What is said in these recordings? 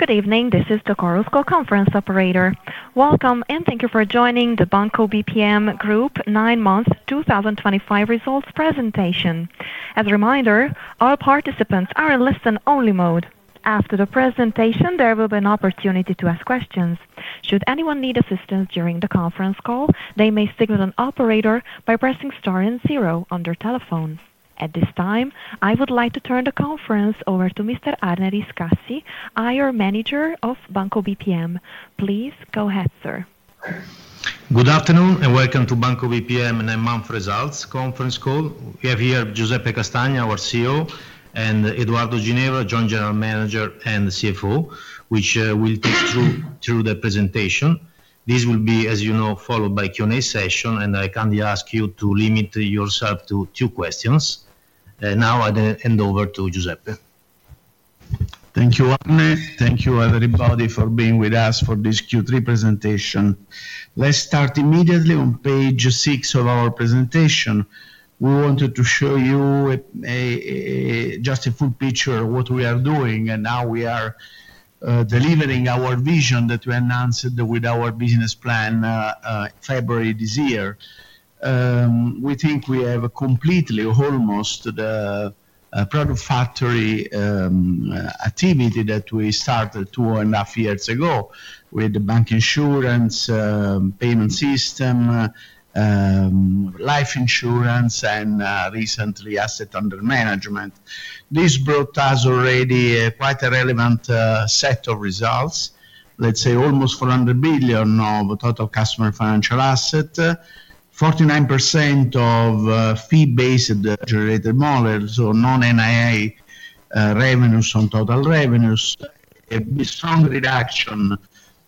Good evening, this is the Carlsgow conference operator. Welcome and thank you for joining the Banco BPM Group 9 month 2025 results presentation. As a reminder, all participants are in listen-only mode. After the presentation, there will be an opportunity to ask questions. Should anyone need assistance during the conference call, they may signal an operator by pressing star and zero on their telephone. At this time, I would like to turn the conference over to Mr. Arne Riscassi, IR Manager of Banco BPM. Please go ahead, sir. Good afternoon and welcome to Banco BPM 9 month results conference call. We have here Giuseppe Castagna, our CEO, and Edoardo Ginevra, Joint General Manager and CFO, which will take us through the presentation. This will be, as you know, followed by a Q&A session, and I kindly ask you to limit yourself to two questions. Now I'll hand over to Giuseppe. Thank you, Arne. Thank you, everybody, for being with us for this Q3 presentation. Let's start immediately on page six of our presentation. We wanted to show you just a full picture of what we are doing, and how we are delivering our vision that we announced with our business plan in February this year. We think we have completed almost the Product Factory activity that we started two and a half years ago with the bancassurance, payment system, life insurance, and recently asset under management. This brought us already quite a relevant set of results. Let's say almost 400 billion of total customer financial asset, 49% of fee-based generated models, so non-NII revenues on total revenues. Strong reduction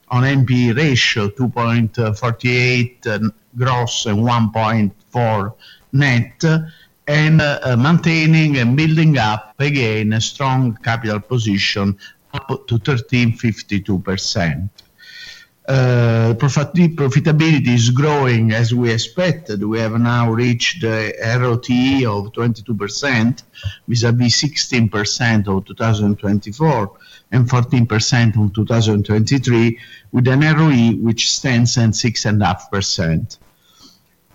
on NPE ratio, 2.48% gross and 1.4% net, and maintaining and building up again a strong capital position up to 13.52%. Profitability is growing as we expected. We have now reached an ROTE of 22%. Vis-à-vis 16% of 2024 and 14% of 2023, with an ROE which stands at 6.5%.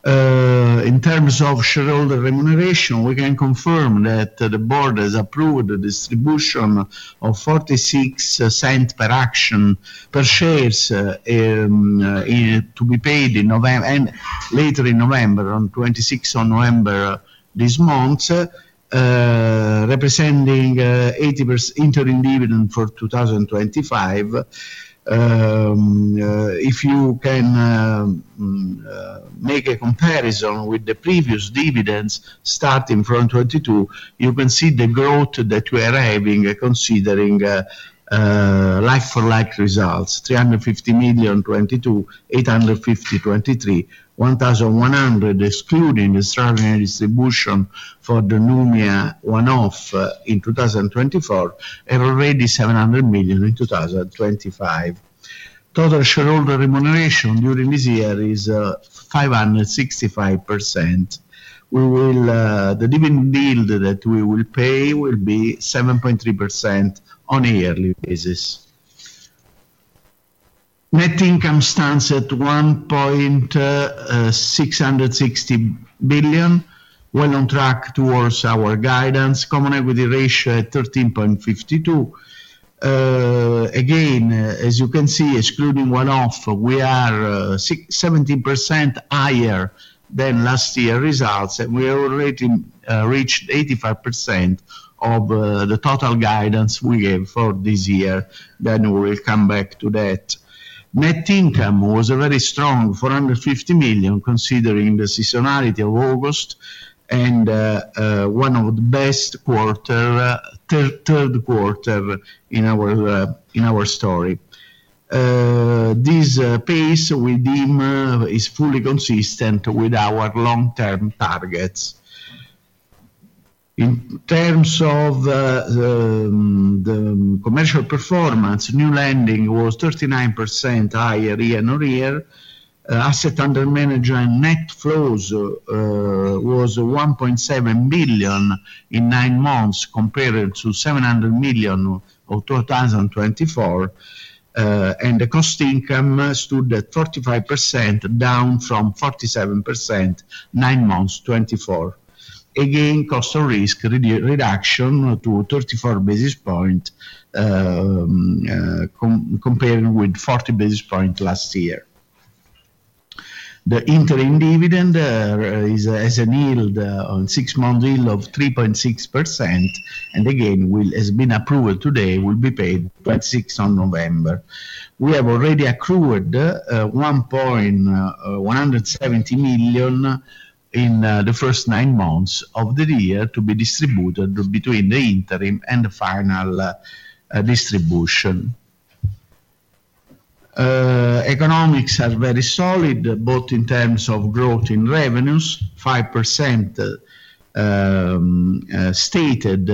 In terms of shareholder remuneration, we can confirm that the board has approved the distribution of 0.46 per share. To be paid in November and later in November, on the 26th of November. This month. Representing 80% interim dividend for 2025. If you can make a comparison with the previous dividends starting from 2022, you can see the growth that we are having considering like-for-like results: EUR 350 million in 2022, 850 million in 2023, 1,100 million excluding the extraordinary distribution for the Numia one-off in 2024, and already 700 million in 2025. Total shareholder remuneration during this year is 565%. The dividend yield that we will pay will be 7.3% on a yearly basis. Net income stands at 1. 660 billion, well on track towards our guidance, common equity ratio at 13.52%. Again, as you can see, excluding one-off, we are 17% higher than last year's results, and we have already reached 85% of the total guidance we gave for this year. We will come back to that. Net income was very strong, 450 million, considering the seasonality of August. One of the best quarters, third quarter in our story. This pace, we deem, is fully consistent with our long-term targets. In terms of the commercial performance, new lending was 39% higher year-on-year. Asset under management net flows was 1.7 billion in nine months, compared to 700 million of 2024. The cost income stood at 45%, down from 47% nine months 2024. Again, cost of risk reduction to 34 basis points, compared with 40 basis points last year. The interim dividend. Has a yield on six-month yield of 3.6%, and again, has been approved today, will be paid 26th of November. We have already accrued 170 million. In the first nine months of the year to be distributed between the interim and the final distribution. Economics are very solid, both in terms of growth in revenues, 5% stated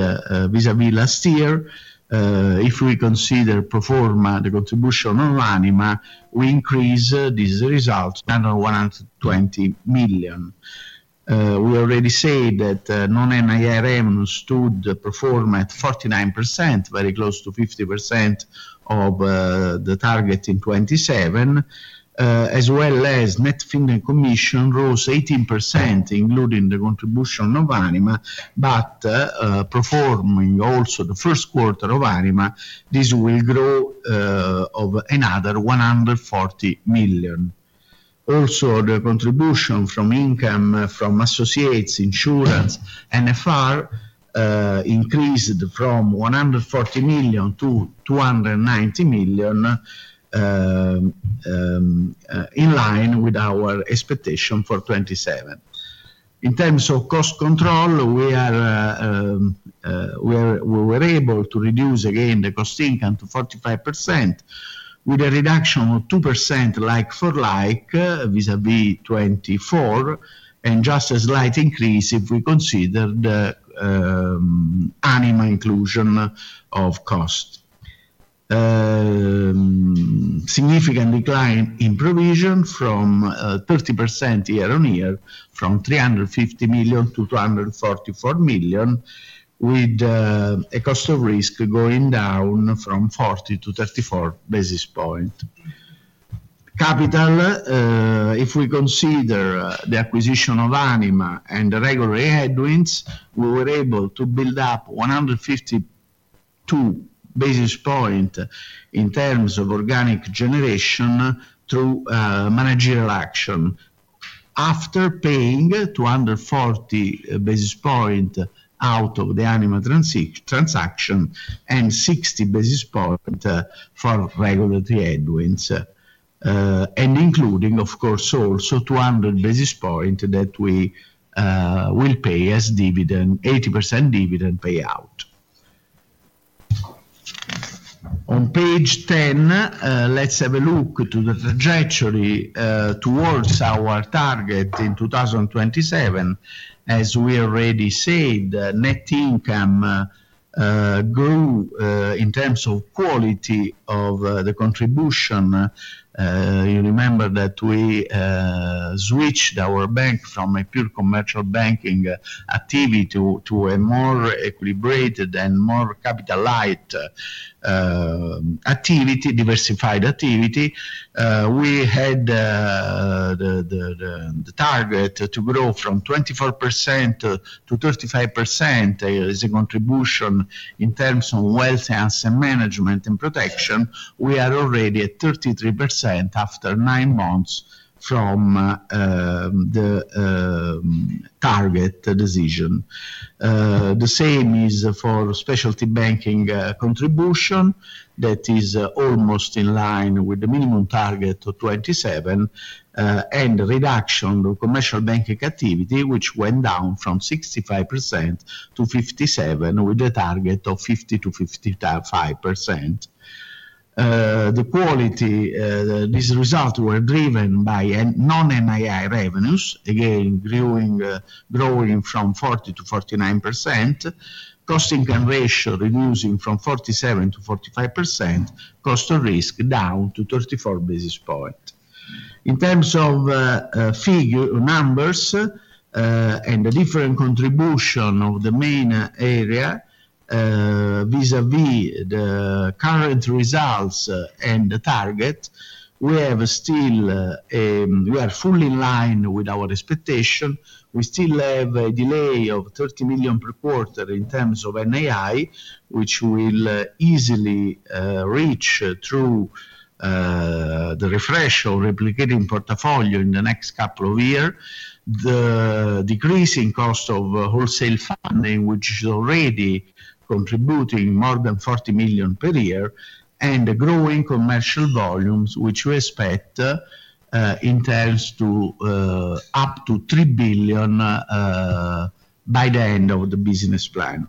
vis-à-vis last year. If we consider the performance, the contribution on Anima, we increase these results by another 120 million. We already said that non-NII revenues stood the performance at 49%, very close to 50% of the target in 2027. As well as net fees and commissions rose 18%, including the contribution of Anima, but performing also the first quarter of Anima, this will grow of another 140 million. Also, the contribution from income from associates, insurance, NFR increased from 140 million to 290 million. In line with our expectation for 2027. In terms of cost control, we were able to reduce again the cost income to 45%, with a reduction of 2% like-for-like vis-à-vis 2024, and just a slight increase if we consider the Anima inclusion of cost. Significant decline in provision from 30% year-on-year, from 350 million to 244 million, with a cost of risk going down from 40 to 34 basis points. Capital, if we consider the acquisition of Anima and the regular headwinds, we were able to build up 152 basis points in terms of organic generation through managerial action. After paying 240 basis points out of the Anima transaction and 60 basis points for regular headwinds, and including, of course, also 200 basis points that we will pay as dividend, 80% dividend payout. On page 10, let's have a look to the trajectory towards our target in 2027. As we already said, net income. Grew in terms of quality of the contribution. You remember that we switched our bank from a pure commercial banking activity to a more equilibrated and more capital-light activity, diversified activity. We had the target to grow from 24%-35% as a contribution in terms of wealth asset management and protection. We are already at 33% after nine months from the target decision. The same is for specialty banking contribution. That is almost in line with the minimum target of 2027. The reduction of commercial banking activity, which went down from 65%-57% with a target of 50-55%. The quality. These results were driven by non-NII revenues, again growing from 40%-49%. Cost income ratio reducing from 47% -45%, cost of risk down to 34 basis points. In terms of numbers and the different contribution of the main area. Vis-à-vis the current results and the target, we have still. We are fully in line with our expectation. We still have a delay of 30 million per quarter in terms of NII, which we will easily reach through the refresh or replicating portfolio in the next couple of years. The decreasing cost of wholesale funding, which is already contributing more than 40 million per year, and the growing commercial volumes, which we expect in terms to up to 3 billion by the end of the business plan.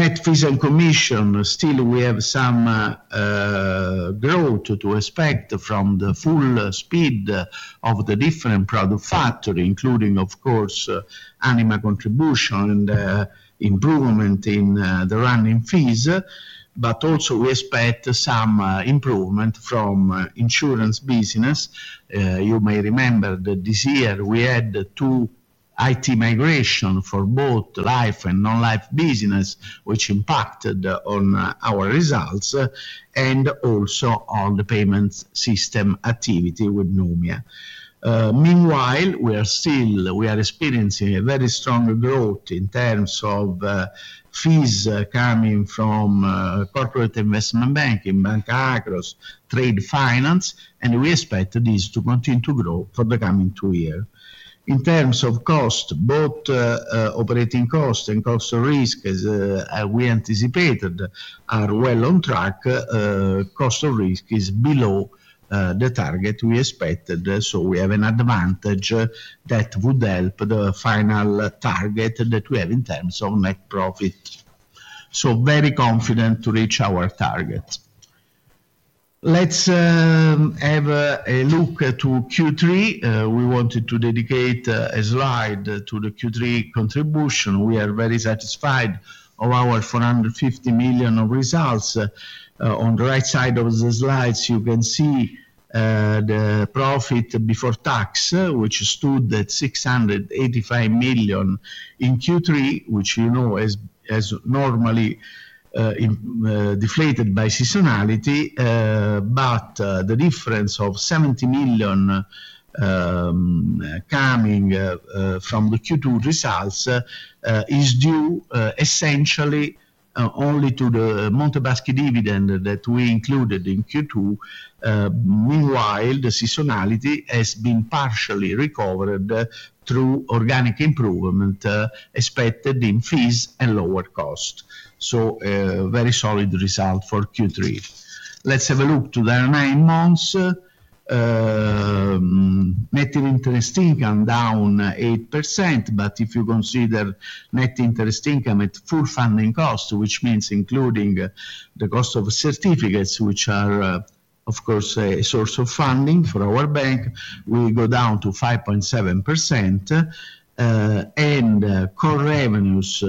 Net fees and commissions, still we have some growth to expect from the full speed of the different Product Factory, including, of course, Anima contribution and improvement in the running fees. Also, we expect some improvement from insurance business. You may remember that this year we had two IT migrations for both life and non-life business, which impacted on our results and also on the payment system activity with Numia. Meanwhile, we are still, we are experiencing a very strong growth in terms of fees coming from corporate investment banking, Banco Agros, trade finance, and we expect this to continue to grow for the coming two years. In terms of cost, both operating cost and cost of risk, as we anticipated, are well on track. Cost of risk is below the target we expected, so we have an advantage that would help the final target that we have in terms of net profit. Very confident to reach our target. Let's have a look to Q3. We wanted to dedicate a slide to the Q3 contribution. We are very satisfied of our 450 million of results. On the right side of the slides, you can see. The profit before tax, which stood at 685 million in Q3, which, you know, has normally. Deflated by seasonality. The difference of 70 million coming from the Q2 results is due essentially only to the Monte dei Paschi di Siena dividend that we included in Q2. Meanwhile, the seasonality has been partially recovered through organic improvement expected in fees and lower cost. Very solid result for Q3. Let's have a look to the nine months. Net interest income down 8%, but if you consider net interest income at full funding cost, which means including the cost of certificates, which are, of course, a source of funding for our bank, we go down to 5.7%. Core revenues,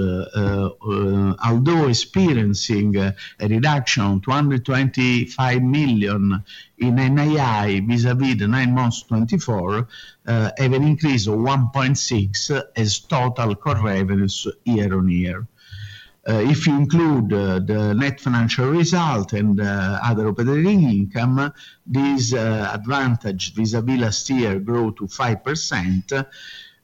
although experiencing a reduction of 225 million in NII vis-à-vis the nine months 2024. Have an increase of 1.6 as total core revenues year-on-year. If you include the net financial result and other operating income, this advantage vis-à-vis last year grew to 5%.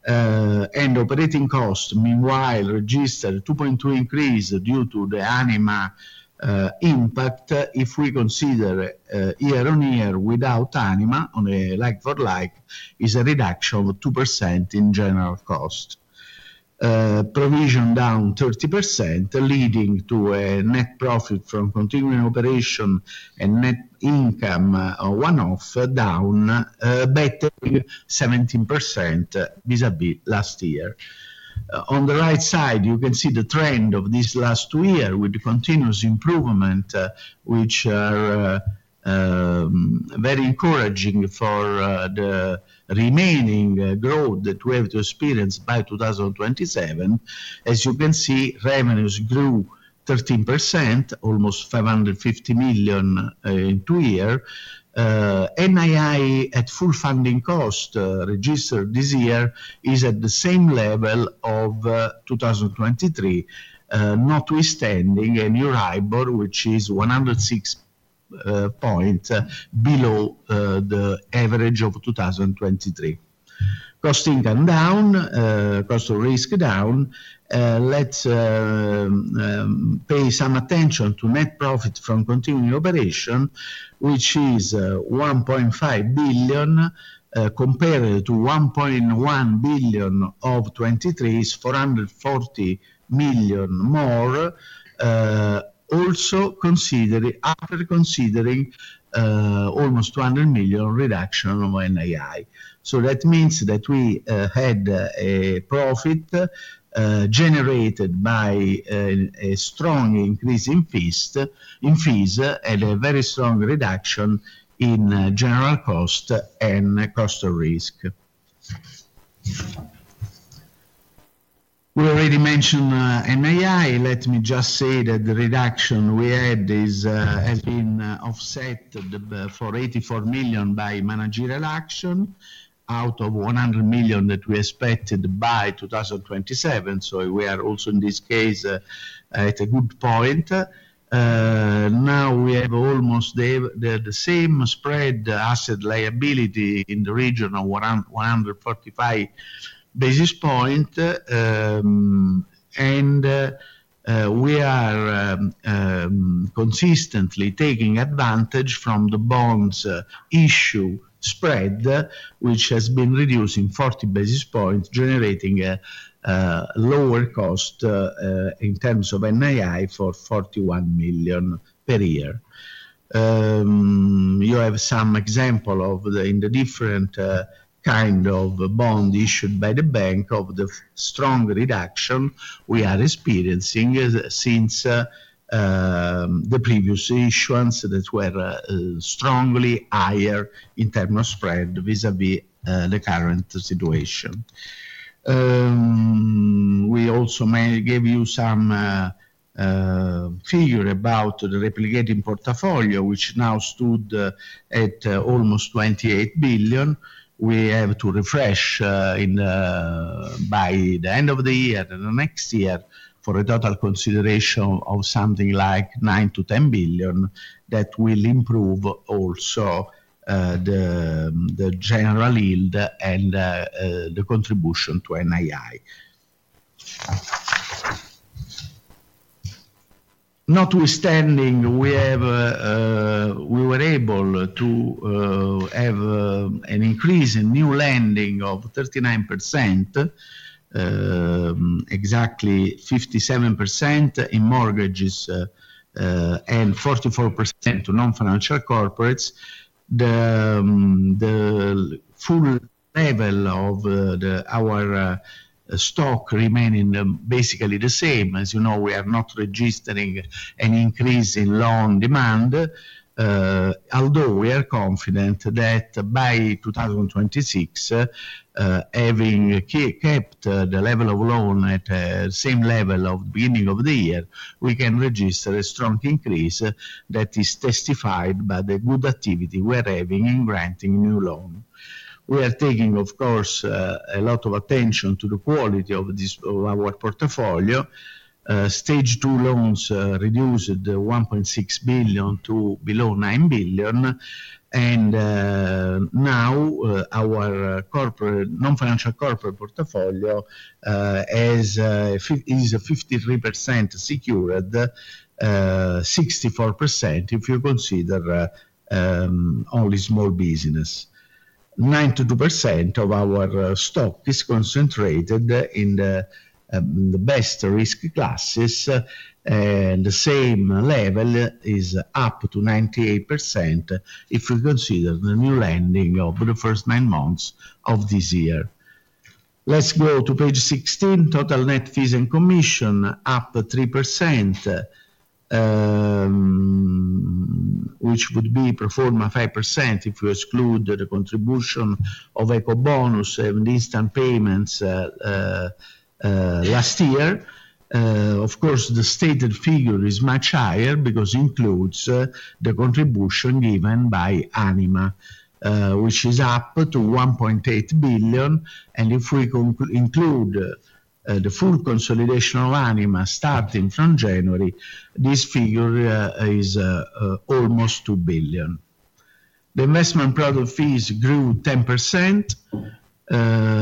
Operating cost, meanwhile, registered a 2.2 increase due to the Anima impact. If we consider year-on-year without Anima, on a like-for-like, is a reduction of 2% in general cost. Provision down 30%, leading to a net profit from continuing operation and net income one-off down. Better 17% vis-à-vis last year. On the right side, you can see the trend of this last two year with continuous improvement, which are very encouraging for the remaining growth that we have to experience by 2027. As you can see, revenues grew 13%, almost 550 million in two years. NII at full funding cost registered this year is at the same level of 2023. Notwithstanding a new EURIBOR, which is 106 basis points below the average of 2023. Cost income down, cost of risk down. Let's pay some attention to net profit from continuing operation, which is 1.5 billion. Compared to 1.1 billion of 2023, is 440 million more. Also after considering almost 200 million reduction of NII. So that means that we had a profit generated by a strong increase in fees and a very strong reduction in general cost and cost of risk. We already mentioned NII. Let me just say that the reduction we had has been offset for 84 million by managerial action out of 100 million that we expected by 2027. We are also, in this case, at a good point. Now we have almost the same spread asset liability in the region of 145 basis points. We are. Consistently taking advantage from the bonds issue spread, which has been reducing 40 basis points, generating lower cost in terms of NII for 41 million per year. You have some example of the different kind of bond issued by the bank of the strong reduction we are experiencing since the previous issuance that were strongly higher in terms of spread vis-à-vis the current situation. We also may give you some figure about the replicating portfolio, which now stood at almost 28 billion. We have to refresh by the end of the year and the next year for a total consideration of something like 9-10 billion that will improve also the general yield and the contribution to NII. Notwithstanding, we were able to have an increase in new lending of 39%, exactly 57% in mortgages and 44% to non-financial corporates. The full level of our. Stock remaining basically the same. As you know, we are not registering an increase in loan demand. Although we are confident that by 2026, having kept the level of loan at the same level of the beginning of the year, we can register a strong increase that is testified by the good activity we are having in granting new loans. We are taking, of course, a lot of attention to the quality of our portfolio. Stage two loans reduced 1.6 billion to below 9 billion. Now our non-financial corporate portfolio is 53% secured, 64% if you consider only small business. 92% of our stock is concentrated in the best risk classes, and the same level is up to 98% if we consider the new lending of the first nine months of this year. Let's go to page 16. Total net fees and commission up 3%. Which would be performed at 5% if we exclude the contribution of EcoBonus and instant payments. Last year. Of course, the stated figure is much higher because it includes the contribution given by Anima, which is up to 1.8 billion. And if we include the full consolidation of Anima starting from January, this figure is almost 2 billion. The investment product fees grew 10%,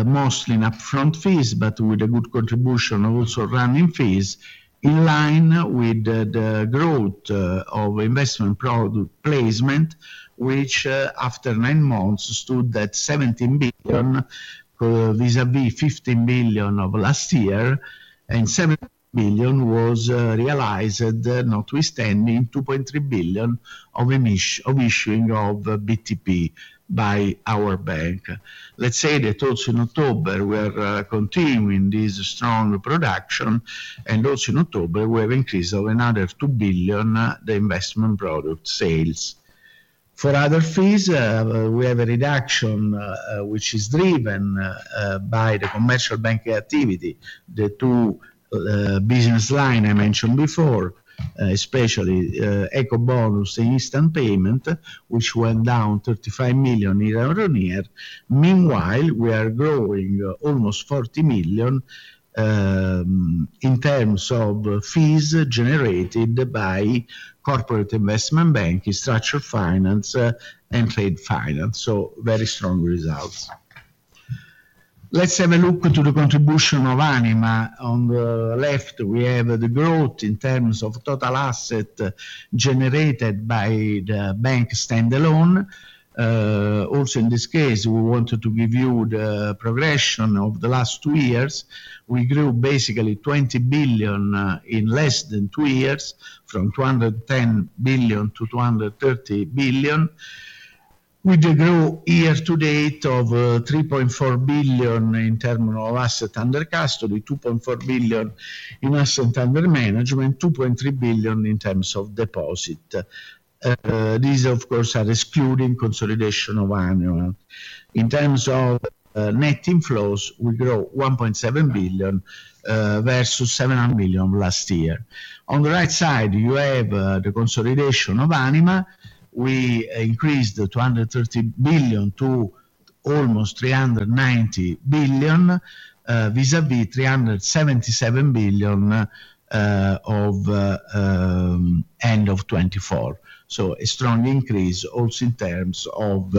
mostly in upfront fees, but with a good contribution of also running fees in line with the growth of investment product placement, which after nine months stood at 17 billion vis-à-vis 15 billion of last year. 17 billion was realized, notwithstanding 2.3 billion of issuing of BTP by our bank. Let's say that also in October, we are continuing this strong production, and also in October, we have increased by another 2 billion the investment product sales. For other fees, we have a reduction which is driven by the commercial bank activity, the two business lines I mentioned before, especially EcoBonus and instant payment, which went down 35 million year-on-year. Meanwhile, we are growing almost 40 million in terms of fees generated by corporate investment bank, structure finance, and trade finance. Very strong results. Let's have a look to the contribution of Anima. On the left, we have the growth in terms of total asset generated by the bank standalone. Also, in this case, we wanted to give you the progression of the last two years. We grew basically 20 billion in less than two years, from 210 billion-230 billion, with a growth year-to-date of 3.4 billion in terms of asset under custody, 2.4 billion in asset under management, 2.3 billion in terms of deposit. These, of course, are excluding consolidation of Anima. In terms of net inflows, we grew 1.7 billion versus 7 billion last year. On the right side, you have the consolidation of Anima. We increased 230 billion to almost 390 billion vis-à-vis 377 billion of end of 2024. A strong increase also in terms of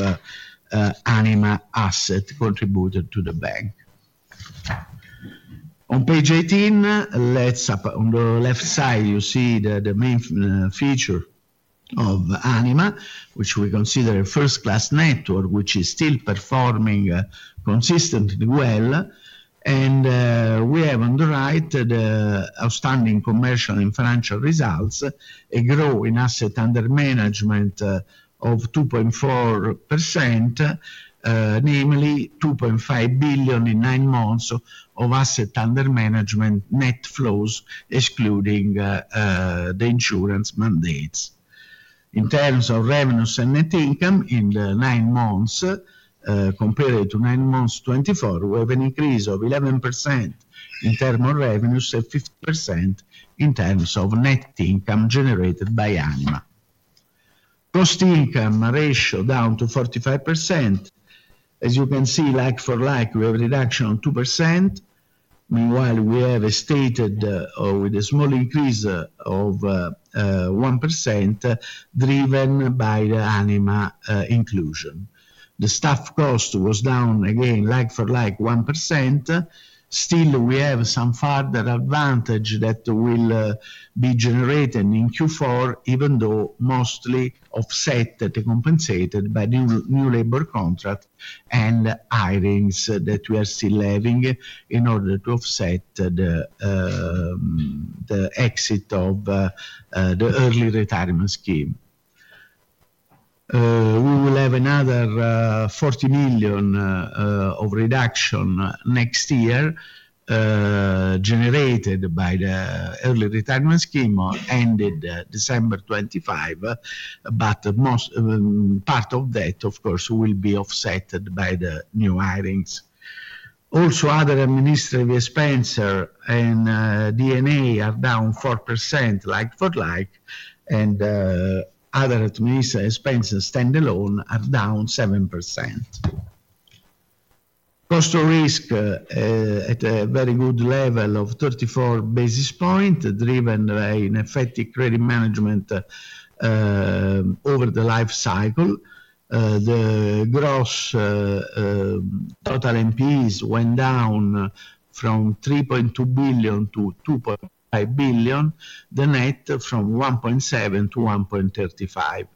Anima asset contributed to the bank. On page 18, up on the left side, you see the main feature of Anima, which we consider a first-class network, which is still performing consistently well. We have on the right the outstanding commercial and financial results, a growth in asset under management of 2.4%, namely 2.5 billion in nine months of asset under management net flows, excluding the insurance mandates. In terms of revenues and net income in nine months. Compared to nine months 2024, we have an increase of 11% in terms of revenues and 50% in terms of net income generated by Anima. Cost income ratio down to 45%. As you can see, like for like, we have a reduction of 2%. Meanwhile, we have a stated or with a small increase of 1%, driven by the Anima inclusion. The staff cost was down again, like for like, 1%. Still, we have some further advantage that will be generated in Q4, even though mostly offset and compensated by the new labor contract and hirings that we are still having in order to offset the exit of the early retirement scheme. We will have another 40 million of reduction next year generated by the early retirement scheme ended December 2025, but part of that, of course, will be offset by the new hirings. Also, other administrative expenses and DNA are down 4%, like for like, and other administrative expenses standalone are down 7%. Cost of risk at a very good level of 34 basis points, driven by ineffective credit management over the life cycle. The gross total NPEs went down from 3.2 billion-2.5 billion, the net from 1.7 billion- 1.35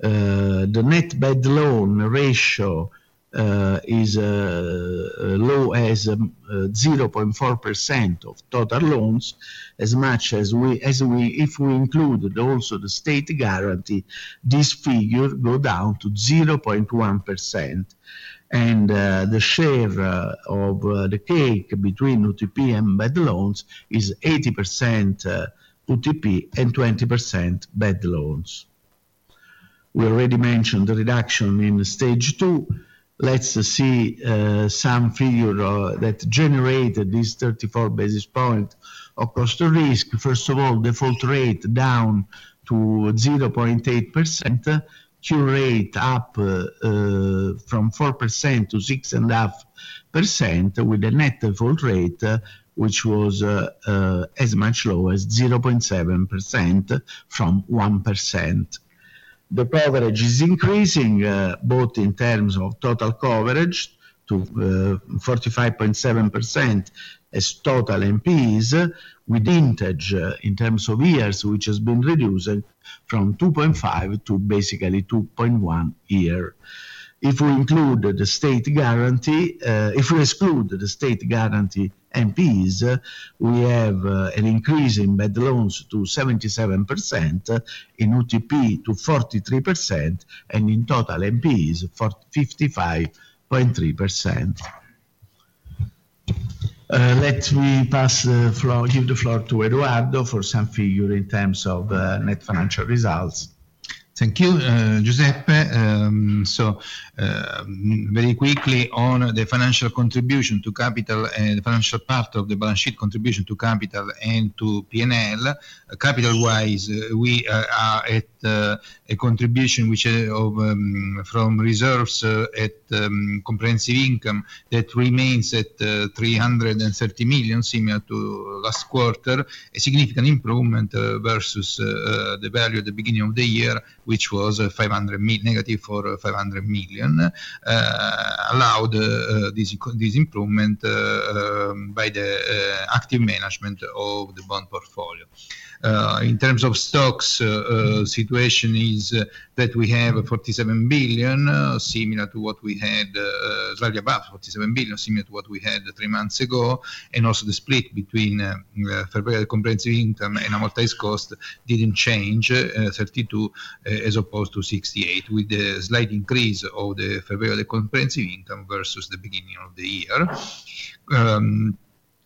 billion. The net bad loan ratio is as low as 0.4% of total loans. If we included also the state guarantee, this figure goes down to 0.1%. The share of the cake between UTP and bad loans is 80% UTP and 20% bad loans. We already mentioned the reduction in stage two. Let's see some figure that generated this 34 basis points of cost of risk. First of all, default rate down to 0.8%. Cure rate up from 4%-6.5% with a net default rate, which was. As much low as 0.7% from 1%. The coverage is increasing both in terms of total coverage to 45.7%. As total NPEs with vintage in terms of years, which has been reduced from 2.5 to basically 2.1 years. If we include the state guarantee, if we exclude the state guarantee NPEs, we have an increase in bad loans to 77%. In UTP to 43%, and in total NPEs 55.3%. Let me pass the floor, give the floor to Edoardo for some figure in terms of net financial results. Thank you, Giuseppe. Very quickly on the financial contribution to capital and the financial part of the balance sheet contribution to capital and to P&L. Capital-wise, we are at a contribution which is from reserves at comprehensive income that remains at 330 million, similar to last quarter, a significant improvement versus the value at the beginning of the year, which was negative for 500 million. Allowed this improvement. By the active management of the bond portfolio. In terms of stocks, the situation is that we have 47 billion, similar to what we had, slightly above, 47 billion, similar to what we had three months ago. Also the split between comprehensive income and amortized cost did not change, 32% as opposed to 68%, with the slight increase of the comprehensive income versus the beginning of the year.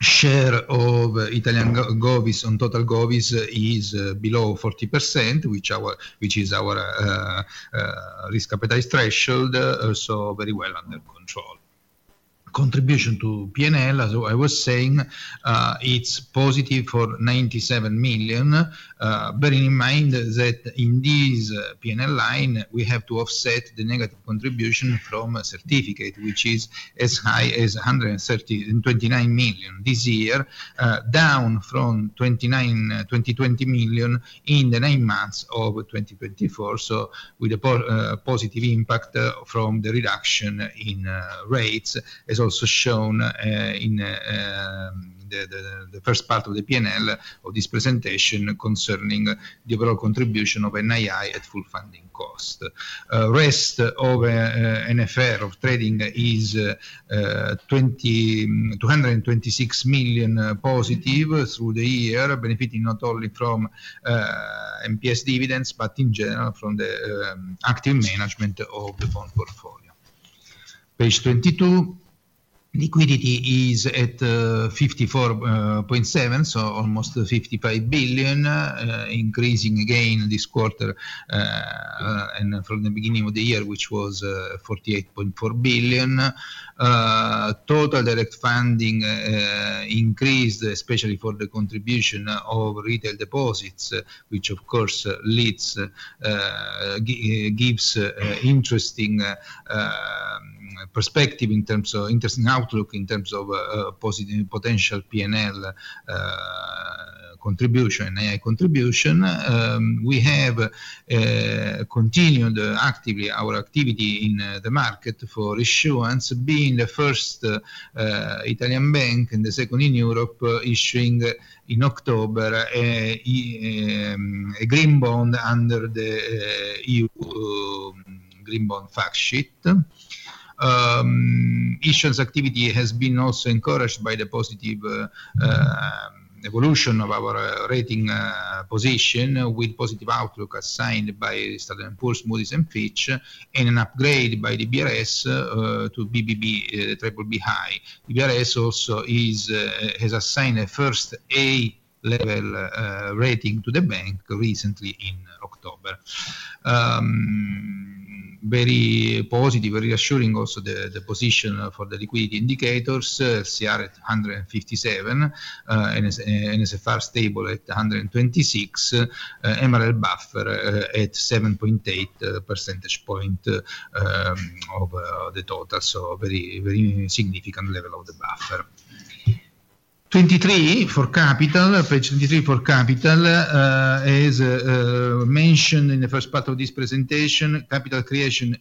Share of Italian GOVIS on total GOVIS is below 40%, which is our risk appetite threshold, so very well under control. Contribution to P&L, as I was saying, is positive for 97 million. Bearing in mind that in this P&L line, we have to offset the negative contribution from certificate, which is as high as 129 million this year, down from 29 million, 20 million, 20 million in the nine months of 2024. With a positive impact from the reduction in rates, as also shown in the first part of the P&L of this presentation concerning the overall contribution of NII at full funding cost. Rest of NFR of trading is 226 million positive through the year, benefiting not only from MPS dividends, but in general from the active management of the bond portfolio. Page 22. Liquidity is at 54.7 billion, so almost 55 billion, increasing again this quarter and from the beginning of the year, which was 48.4 billion. Total direct funding increased, especially for the contribution of retail deposits, which of course gives interesting. Perspective in terms of interesting outlook in terms of positive potential P&L. Contribution, NII contribution. We have continued actively our activity in the market for insurance, being the first Italian bank and the second in Europe issuing in October a green bond under the EU green bond fact sheet. Insurance activity has been also encouraged by the positive evolution of our rating position with positive outlook assigned by Stanford, Pulse, Moody's, and Fitch, and an upgrade by the DBRS to BBB, BBB high. The DBRS also has assigned a first A-level rating to the bank recently in October. Very positive, reassuring also the position for the liquidity indicators. LCR at 157% and NSFR stable at 126%. MREL buffer at 7.8 percentage points of the total. So very significant level of the buffer. 23 for capital. Page 23 for capital. As. Mentioned in the first part of this presentation, capital creation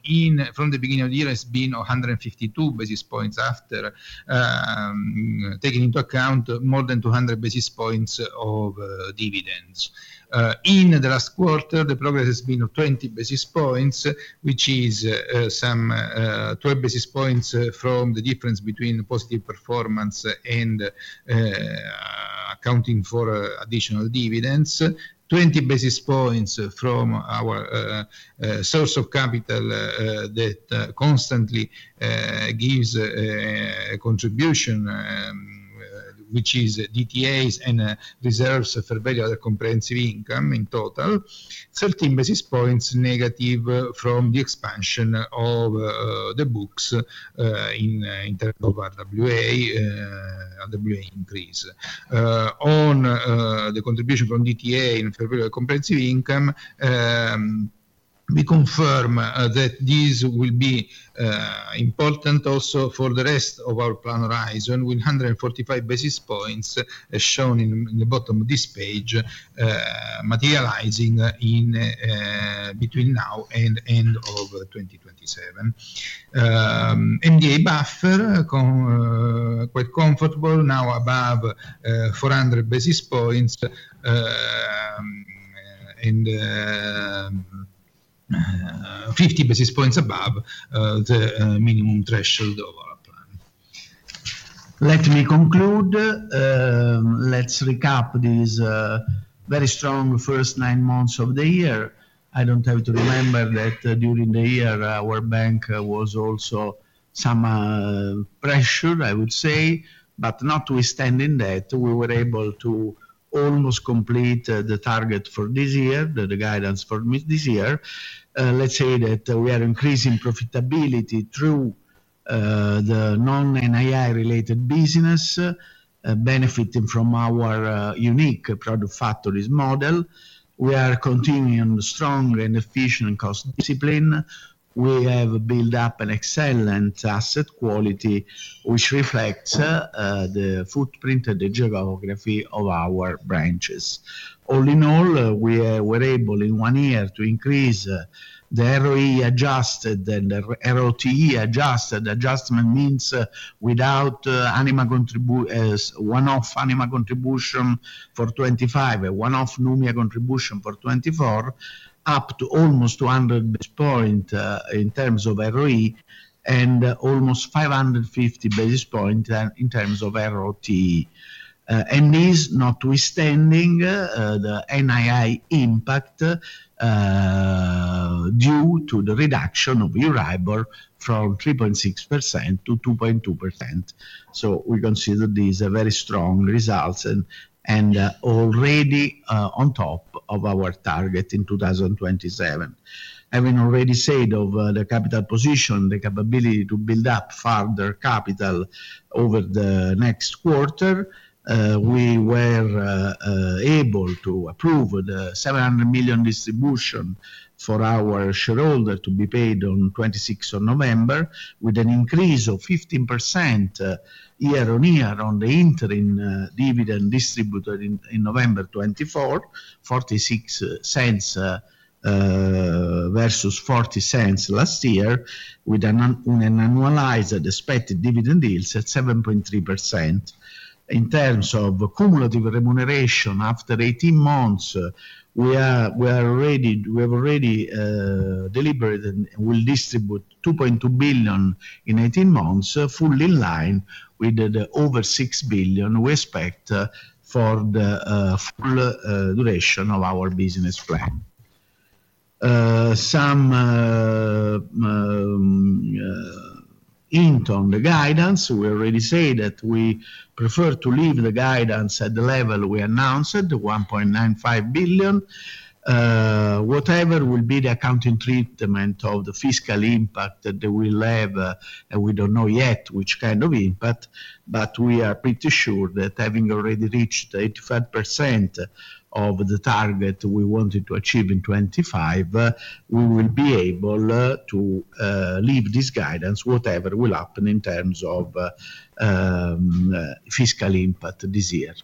from the beginning of the year has been 152 basis points after taking into account more than 200 basis points of dividends. In the last quarter, the progress has been of 20 basis points, which is 12 basis points from the difference between positive performance and accounting for additional dividends, 20 basis points from our source of capital that constantly gives contribution, which is DTAs and reserves for value of comprehensive income. In total, 13 basis points negative from the expansion of the books in terms of RWA increase. On the contribution from DTA in comprehensive income, we confirm that this will be important also for the rest of our plan horizon, with 145 basis points as shown in the bottom of this page, materializing between now and end of 2027. MREL Buffer quite comfortable now above 400 basis points. Fifty basis points above the minimum threshold of our plan. Let me conclude. Let's recap these very strong first nine months of the year. I have to remember that during the year, our bank was also under some pressure, I would say, but notwithstanding that, we were able to almost complete the target for this year, the guidance for this year. Let's say that we are increasing profitability through the non-NII related business, benefiting from our unique product factories model. We are continuing strong and efficient cost discipline. We have built up an excellent asset quality, which reflects the footprint and the geography of our branches. All in all, we were able in one year to increase the ROE adjusted and the ROTE adjusted. Adjustment means without one-off Anima contribution for 2025, one-off Numia contribution for 2024. Up to almost 200 basis points in terms of ROE and almost 550 basis points in terms of ROTE. This, notwithstanding the NII impact, due to the reduction of EURIBOR from 3.6%-2.2%. We consider these very strong results and already on top of our target in 2027. Having already said of the capital position, the capability to build up further capital over the next quarter, we were able to approve the 700 million distribution for our shareholder to be paid on 26th of November, with an increase of 15% year-on-year on the interim dividend distributed in November 2024, 0.46 versus 0.40 last year, with an annualized expected dividend yield set at 7.3%. In terms of cumulative remuneration after 18 months, we have already. Deliberated and will distribute 2.2 billion in 18 months, fully in line with the over 6 billion we expect for the full duration of our business plan. Some hint on the guidance, we already said that we prefer to leave the guidance at the level we announced, 1.95 billion. Whatever will be the accounting treatment of the fiscal impact that we'll have, and we don't know yet which kind of impact, but we are pretty sure that having already reached 85% of the target we wanted to achieve in 2025, we will be able to leave this guidance, whatever will happen in terms of fiscal impact this year.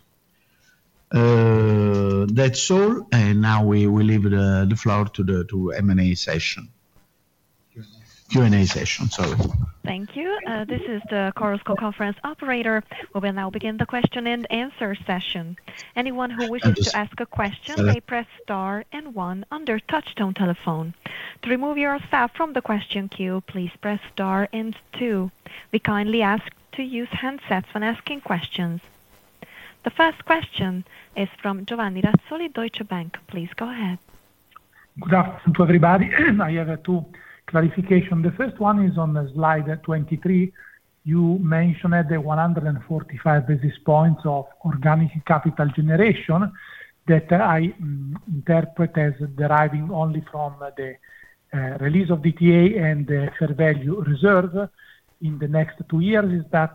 That's all, and now we will leave the floor to the Q&A session. Q&A session, sorry. Thank you. This is the Chorus Co-conference operator. We will now begin the question and answer session. Anyone who wishes to ask a question may press star and one on their touch-tone telephone. To remove yourself from the question queue, please press star and two. We kindly ask to use handsets when asking questions. The first question is from Giovanni Razzoli, Deutsche Bank. Please go ahead. Good afternoon to everybody. I have two clarifications. The first one is on slide 23. You mentioned the 145 basis points of organic capital generation that I interpret as deriving only from the release of DTA and the fair value reserve in the next two years.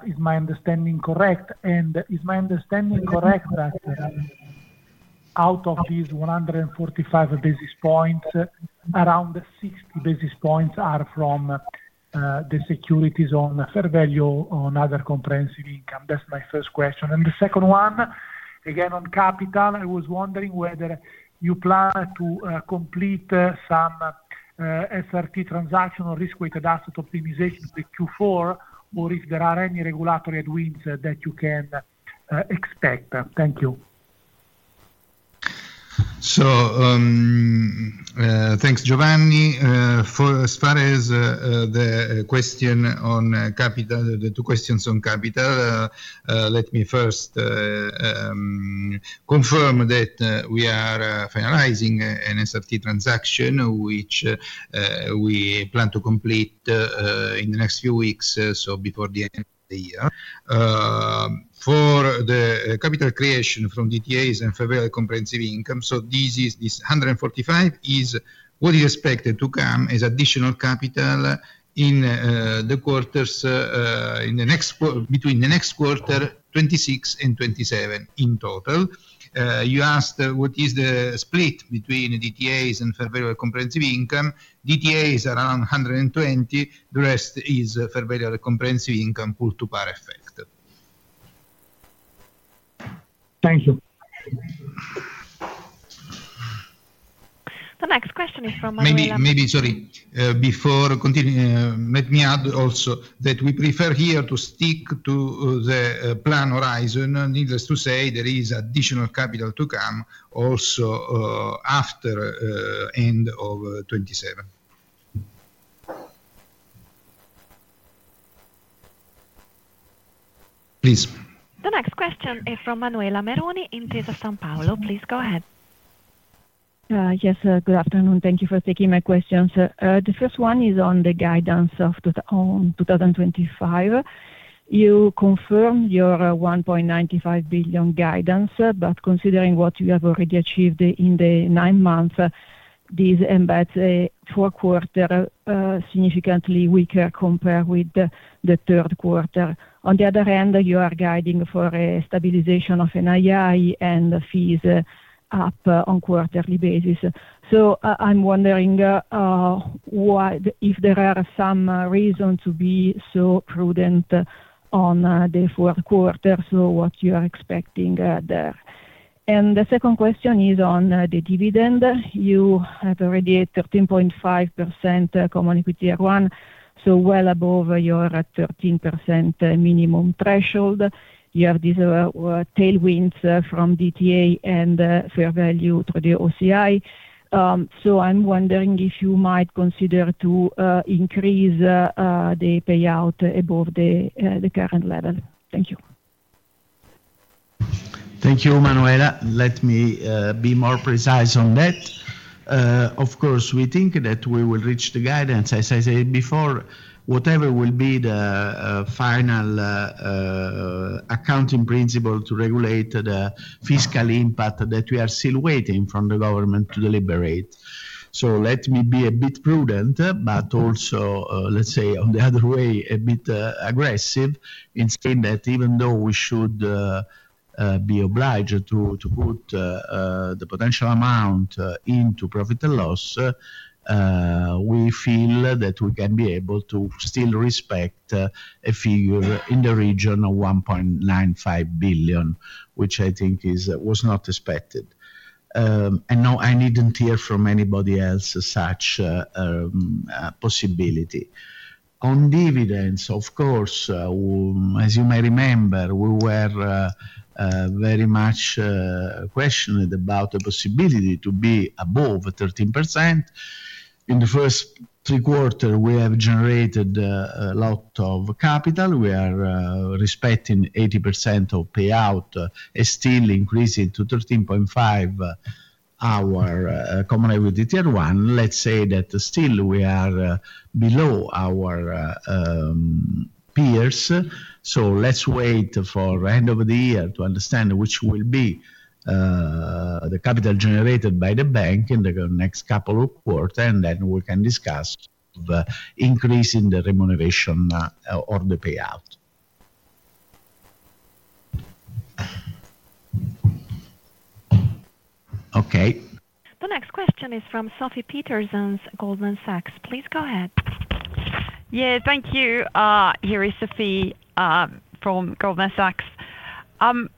Is my understanding correct? Is my understanding correct that out of these 145 basis points, around 60 basis points are from the securities on fair value on other comprehensive income? That is my first question. The second one, again on capital, I was wondering whether you plan to complete some. SRT transactional risk-weighted asset optimization with Q4, or if there are any regulatory adwins that you can expect. Thank you. Thanks, Giovanni. As far as the question on capital, the two questions on capital. Let me first confirm that we are finalizing an SRT transaction, which we plan to complete in the next few weeks, so before the end of the year. For the capital creation from DTAs and fair value comprehensive income, this 145 is what is expected to come as additional capital in the quarters between the next quarter, 2026 and 2027 in total. You asked what is the split between DTAs and fair value comprehensive income. DTAs are around 120. The rest is fair value comprehensive income pull-to-par effect. Thank you. The next question is from Manuel. Maybe, sorry. Before continuing, let me add also that we prefer here to stick to the plan horizon. Needless to say, there is additional capital to come also after end of 2027. Please. The next question is from Manuela Meroni, Intesa Sanpaolo. Please go ahead. Yes, good afternoon. Thank you for taking my questions. The first one is on the guidance of 2025. You confirmed your $1.95 billion guidance, but considering what you have already achieved in the nine months, this embeds a fourth quarter significantly weaker compared with the third quarter. On the other hand, you are guiding for a stabilization of NII and fees up on a quarterly basis. I'm wondering if there are some reasons to be so prudent on the fourth quarter, what you are expecting there. The second question is on the dividend. You have already a 13.5% common equity Tier 1, so well above your 13% minimum threshold. You have these tailwinds from DTA and fair value through the OCI. I'm wondering if you might consider to increase the payout above the current level. Thank you. Thank you, Manuela. Let me be more precise on that. Of course, we think that we will reach the guidance, as I said before, whatever will be the final accounting principle to regulate the fiscal impact that we are still waiting from the government to deliberate. Let me be a bit prudent, but also, let's say, on the other way, a bit aggressive in saying that even though we should be obliged to put the potential amount into profit and loss, we feel that we can be able to still respect a figure in the region of 1.95 billion, which I think was not expected. I did not hear from anybody else such a possibility. On dividends, of course, as you may remember, we were. Very much questioned about the possibility to be above 13%. In the first three quarters, we have generated a lot of capital. We are respecting 80% of payout. Still increasing to 13.5. Our common equity R1. Let's say that still we are below our peers. So let's wait for the end of the year to understand which will be the capital generated by the bank in the next couple of quarters, and then we can discuss increasing the remuneration or the payout. Okay. The next question is from Sophie Petersen's Goldman Sachs. Please go ahead. Yeah, thank you. Here is Sophie from Goldman Sachs.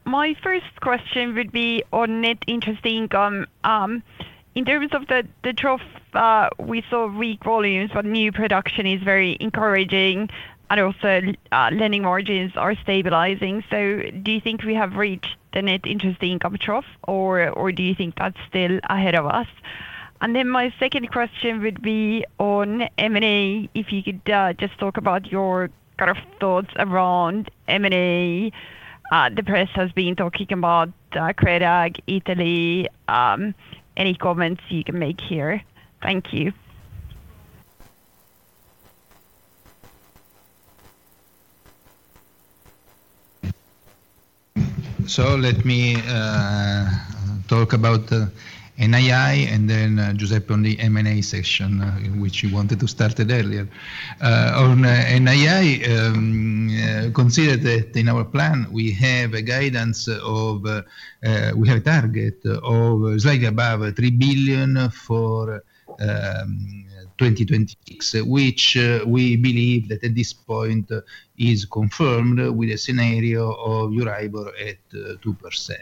My first question would be on net interest income. In terms of the trough, we saw weak volumes, but new production is very encouraging, and also lending margins are stabilizing. Do you think we have reached the net interest income trough, or do you think that's still ahead of us? My second question would be on M&A. If you could just talk about your kind of thoughts around M&A. The press has been talking about Crédit Agricole Italia. Any comments you can make here? Thank you. Let me talk about NII and then Giuseppe on the M&A section, which he wanted to start earlier. On NII, consider that in our plan, we have a guidance of, we have a target of slightly above 3 billion for 2026, which we believe that at this point is confirmed with a scenario of EURIBOR at 2%.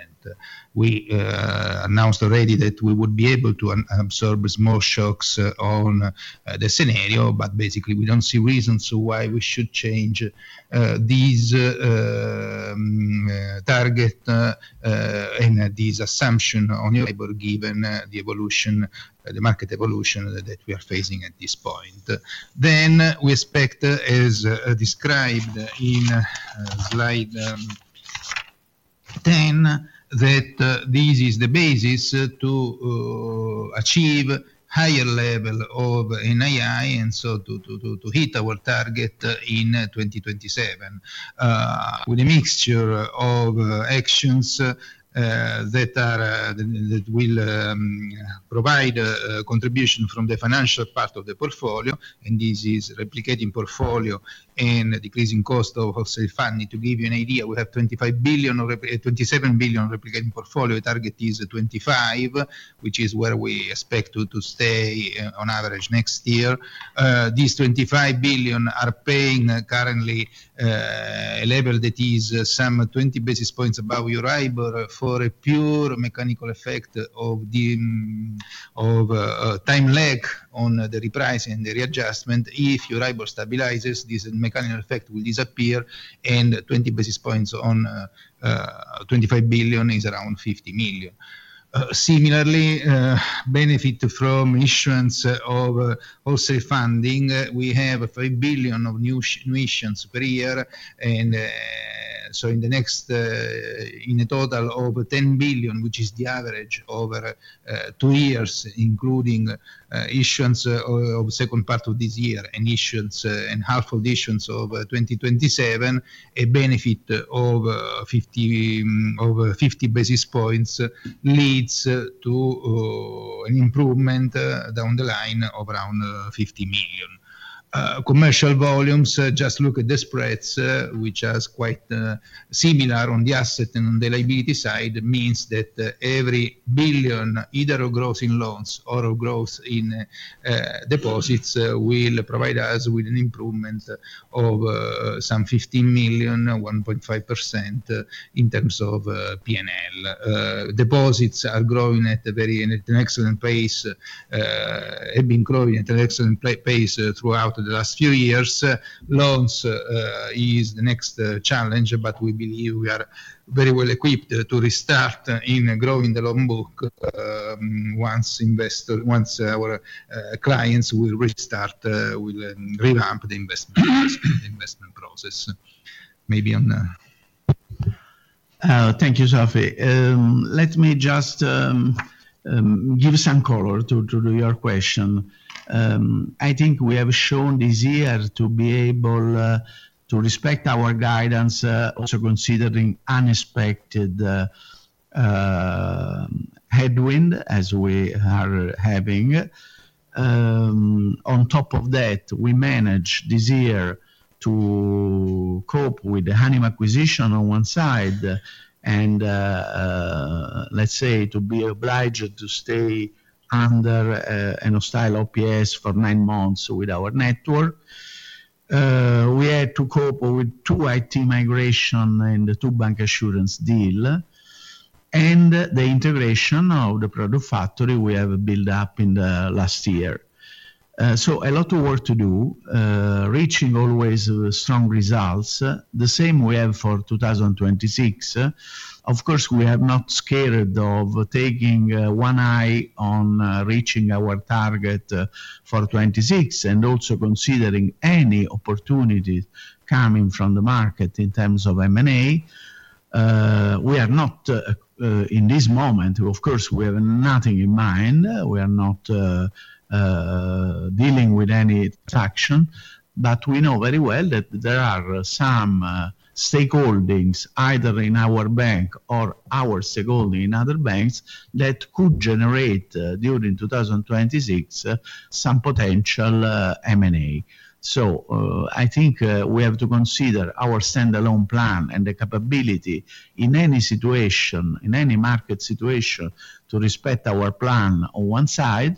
We announced already that we would be able to absorb small shocks on the scenario, but basically, we do not see reasons why we should change this target. This assumption on EURIBOR, given the market evolution that we are facing at this point. We expect, as described in slide 10, that this is the basis to achieve a higher level of NII and to hit our target in 2027. With a mixture of actions that will provide contribution from the financial part of the portfolio, and this is replicating portfolio and decreasing cost of wholesale funding. To give you an idea, we have 27 billion replicating portfolio. The target is 25 billion, which is where we expect to stay on average next year. These 25 billion are paying currently a level that is some 20 basis points above EURIBOR for a pure mechanical effect of time lag on the repricing and the readjustment. If EURIBOR stabilizes, this mechanical effect will disappear, and 20 basis points on 25 billion is around 50 million. Similarly. Benefit from issuance of wholesale funding, we have 5 billion of new issuance per year, and. In the next. In a total of 10 billion, which is the average over two years, including issuance of the second part of this year and issuance and half of the issuance of 2027, a benefit of 50 basis points leads to an improvement down the line of around 50 million. Commercial volumes, just look at the spreads, which are quite similar on the asset and on the liability side, means that every 1 billion, either of grossing loans or of grossing deposits, will provide us with an improvement of some 15 million, 1.5% in terms of P&L. Deposits are growing at an excellent pace. Have been growing at an excellent pace throughout the last few years. Loans is the next challenge, but we believe we are very well equipped to restart in growing the loan book. Once our clients will restart, we will revamp the investment process. Maybe on. Thank you, Sophie. Let me just give some color to your question. I think we have shown this year to be able to respect our guidance, also considering unexpected headwind as we are having. On top of that, we managed this year to cope with the Anima acquisition on one side, and, let's say, to be obliged to stay under a hostile OPA for nine months with our network. We had to cope with two IT migrations and two bancassurance deals, and the integration of the Product Factory we have built up in the last year. A lot of work to do, reaching always strong results. The same we have for 2026. Of course, we are not scared of taking one eye on reaching our target for 2026 and also considering any opportunity coming from the market in terms of M&A. We are not. In this moment, of course, we have nothing in mind. We are not dealing with any transaction, but we know very well that there are some stakeholdings, either in our bank or our stakeholding in other banks, that could generate during 2026 some potential M&A. I think we have to consider our standalone plan and the capability in any situation, in any market situation, to respect our plan on one side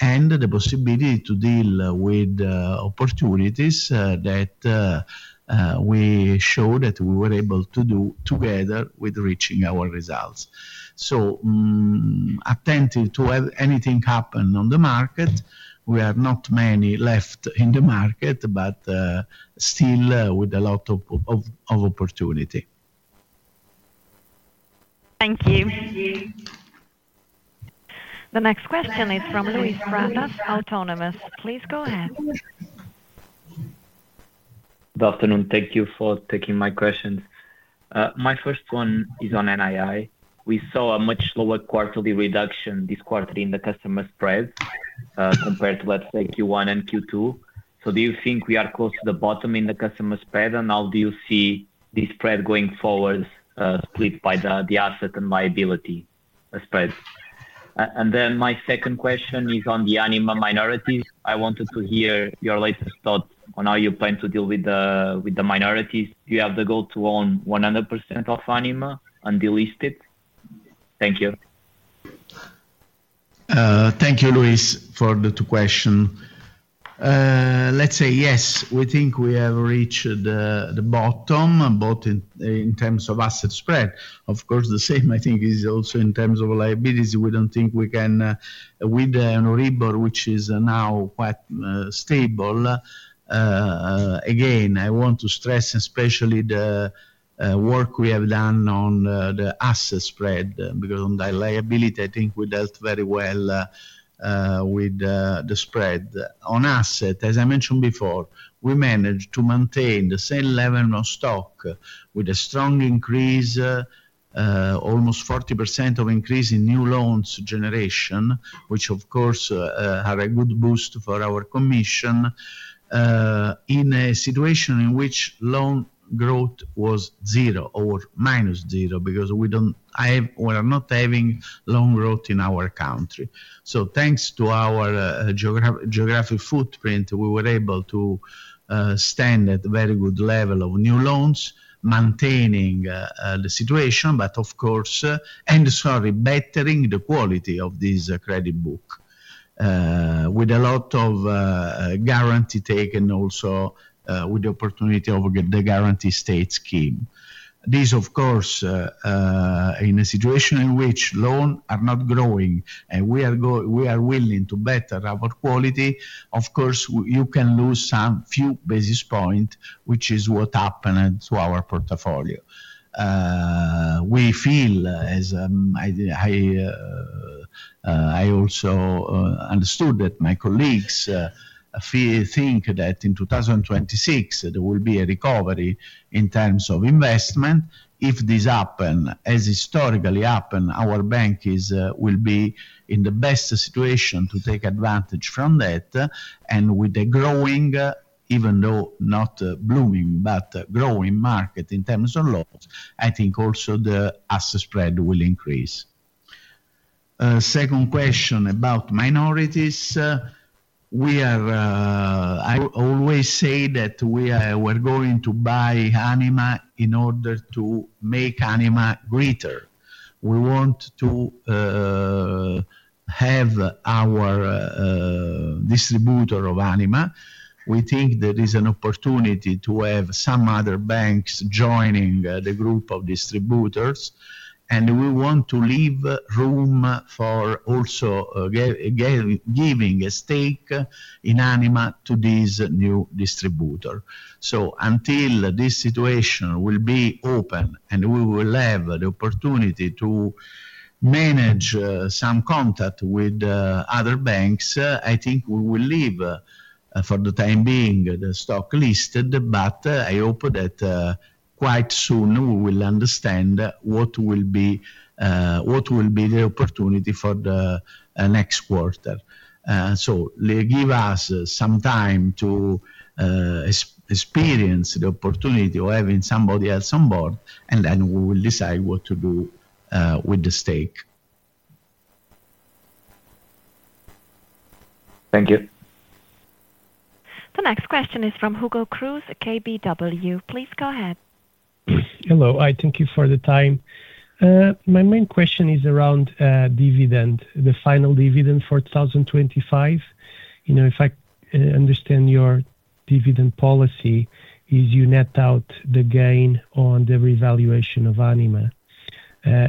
and the possibility to deal with opportunities that we showed that we were able to do together with reaching our results. Attentive to anything happen on the market. We are not many left in the market, but still with a lot of opportunity. Thank you. The next question is from Luis Brandas, Autonomous. Please go ahead. Good afternoon. Thank you for taking my questions. My first one is on NII. We saw a much slower quarterly reduction this quarter in the customer spread. Compared to, let's say, Q1 and Q2. Do you think we are close to the bottom in the customer spread, and how do you see the spread going forward split by the asset and liability spread? My second question is on the Anima minorities. I wanted to hear your latest thoughts on how you plan to deal with the minorities. Do you have the goal to own 100% of Anima and delist it? Thank you. Thank you, Luis, for the two questions. Let's say, yes, we think we have reached the bottom, both in terms of asset spread. Of course, the same, I think, is also in terms of liabilities. We don't think we can, with EURIBOR, which is now quite stable. Again, I want to stress, especially the work we have done on the asset spread, because on the liability, I think we dealt very well with the spread. On asset, as I mentioned before, we managed to maintain the same level of stock with a strong increase, almost 40% of increase in new loans generation, which, of course, had a good boost for our commission. In a situation in which loan growth was zero or minus zero, because we are not having loan growth in our country. Thanks to our geographic footprint, we were able to stand at a very good level of new loans, maintaining the situation, and, sorry, bettering the quality of this credit book with a lot of. Guarantee taken also with the opportunity of the guarantee state scheme. This, of course, in a situation in which loans are not growing and we are willing to better our quality, of course, you can lose some few basis points, which is what happened to our portfolio. We feel, as I also understood that my colleagues think that in 2026 there will be a recovery in terms of investment. If this happens, as historically happened, our bank will be in the best situation to take advantage from that. With a growing, even though not blooming, but growing market in terms of loans, I think also the asset spread will increase. Second question about minorities. I always say that we are going to buy Anima in order to make Anima greater. We want to have our distributor of Anima. We think there is an opportunity to have some other banks joining the group of distributors, and we want to leave room for also giving a stake in Anima to this new distributor. Until this situation will be open and we will have the opportunity to manage some contact with other banks, I think we will leave, for the time being, the stock listed, but I hope that quite soon we will understand what will be the opportunity for the next quarter. Give us some time to experience the opportunity of having somebody else on board, and then we will decide what to do with the stake. Thank you. The next question is from Hugo Cruz, KBW. Please go ahead. Hello. Hi, thank you for the time. My main question is around dividend, the final dividend for 2025. If I understand your dividend policy, is you net out the gain on the revaluation of Anima.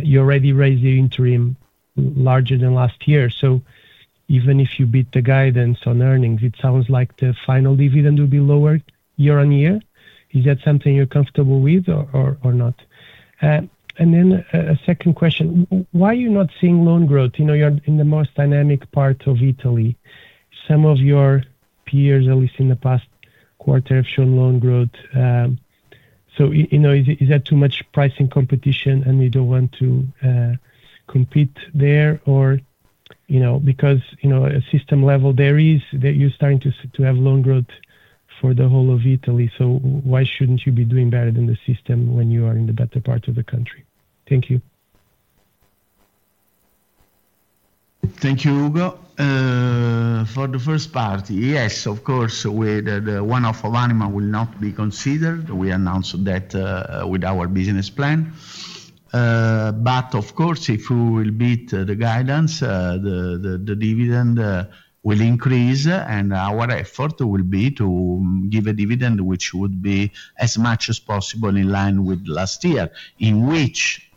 You already raised the interim larger than last year. So even if you beat the guidance on earnings, it sounds like the final dividend will be lowered year-on-year. Is that something you're comfortable with or not? A second question. Why are you not seeing loan growth? You're in the most dynamic part of Italy. Some of your peers, at least in the past quarter, have shown loan growth. Is that too much pricing competition, and you don't want to compete there? Because at system level, there is that you're starting to have loan growth for the whole of Italy. Why shouldn't you be doing better than the system when you are in the better part of the country? Thank you. Thank you, Hugo. For the first part, yes, of course, with the one-off of Anima will not be considered. We announced that with our business plan. Of course, if we will beat the guidance, the dividend will increase, and our effort will be to give a dividend which would be as much as possible in line with last year, in which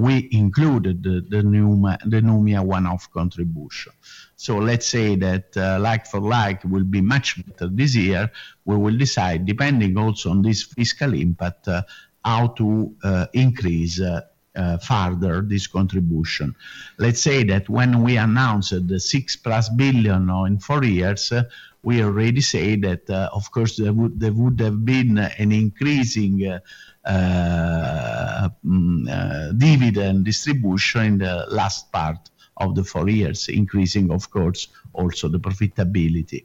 we included the Numia one-off contribution. Let's say that like for like will be much better this year. We will decide, depending also on this fiscal impact, how to increase further this contribution. Let's say that when we announced the 6-plus billion in four years, we already said that, of course, there would have been an increasing dividend distribution in the last part of the four years, increasing, of course, also the profitability.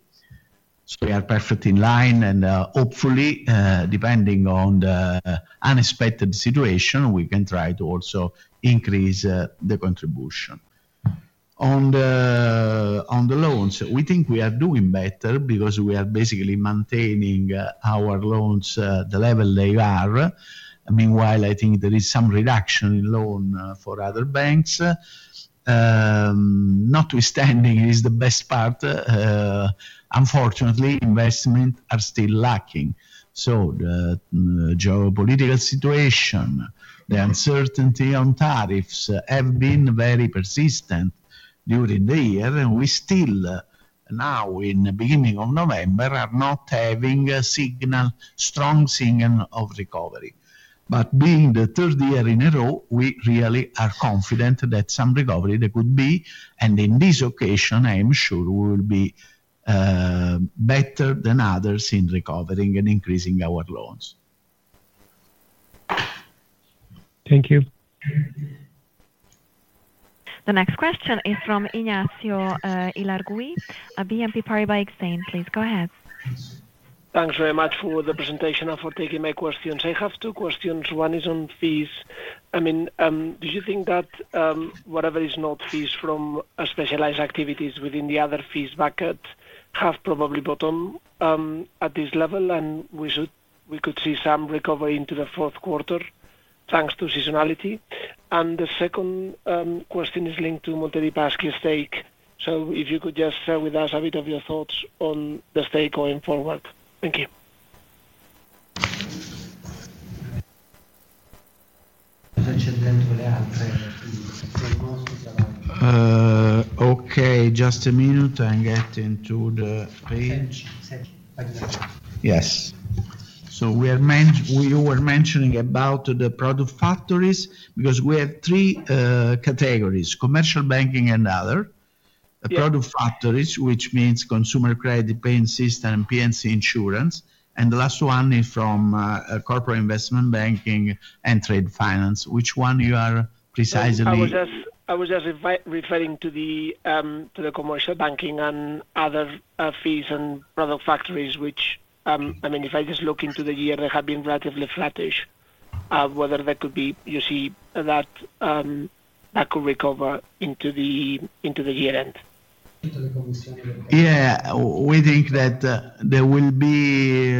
We are perfectly in line, and hopefully, depending on the unexpected situation, we can try to also increase the contribution. On the loans, we think we are doing better because we are basically maintaining our loans at the level they are. Meanwhile, I think there is some reduction in loans for other banks. Notwithstanding, it is the best part. Unfortunately, investments are still lacking. The geopolitical situation, the uncertainty on tariffs have been very persistent during the year, and we still, now, in the beginning of November, are not having strong signals of recovery. Being the third year in a row, we really are confident that some recovery there could be. In this occasion, I am sure we will be better than others in recovering and increasing our loans. Thank you. The next question is from Ignacio Ulargui, BNP Paribas Exane. Please go ahead. Thanks very much for the presentation and for taking my questions. I have two questions. One is on fees. I mean, do you think that whatever is not fees from specialized activities within the other fees bucket have probably bottomed at this level, and we could see some recovery into the fourth quarter thanks to seasonality? The second question is linked to Monte dei Paschi stake. If you could just share with us a bit of your thoughts on the stake going forward. Thank you. Okay, just a minute. I'm getting to the page. Yes. We were mentioning about the product factories because we have three categories: commercial banking and other product factories, which means consumer credit, payment system, and PNC insurance. The last one is from corporate investment banking and trade finance. Which one you are precisely? I was just referring to the. Commercial banking and other fees and product factories, which, I mean, if I just look into the year, they have been relatively flattish. Whether that could be, you see, that could recover into the year-end. Yeah. We think that there will be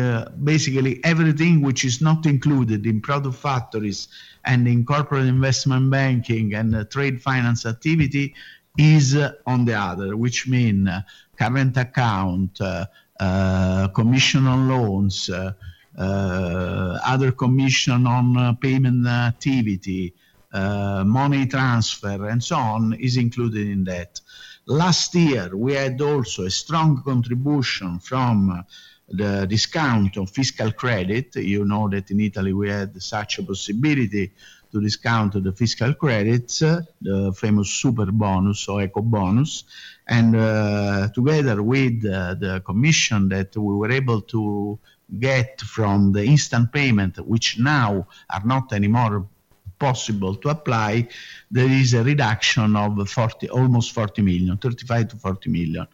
basically everything which is not included in product factories and in corporate investment banking and trade finance activity is on the other, which means current account, commission on loans, other commission on payment activity, money transfer, and so on, is included in that. Last year, we had also a strong contribution from the discount of fiscal credit. You know that in Italy, we had such a possibility to discount the fiscal credits, the famous Superbonus or EcoBonus. And together with the commission that we were able to. Get from the instant payment, which now are not anymore possible to apply, there is a reduction of almost 35-40 million.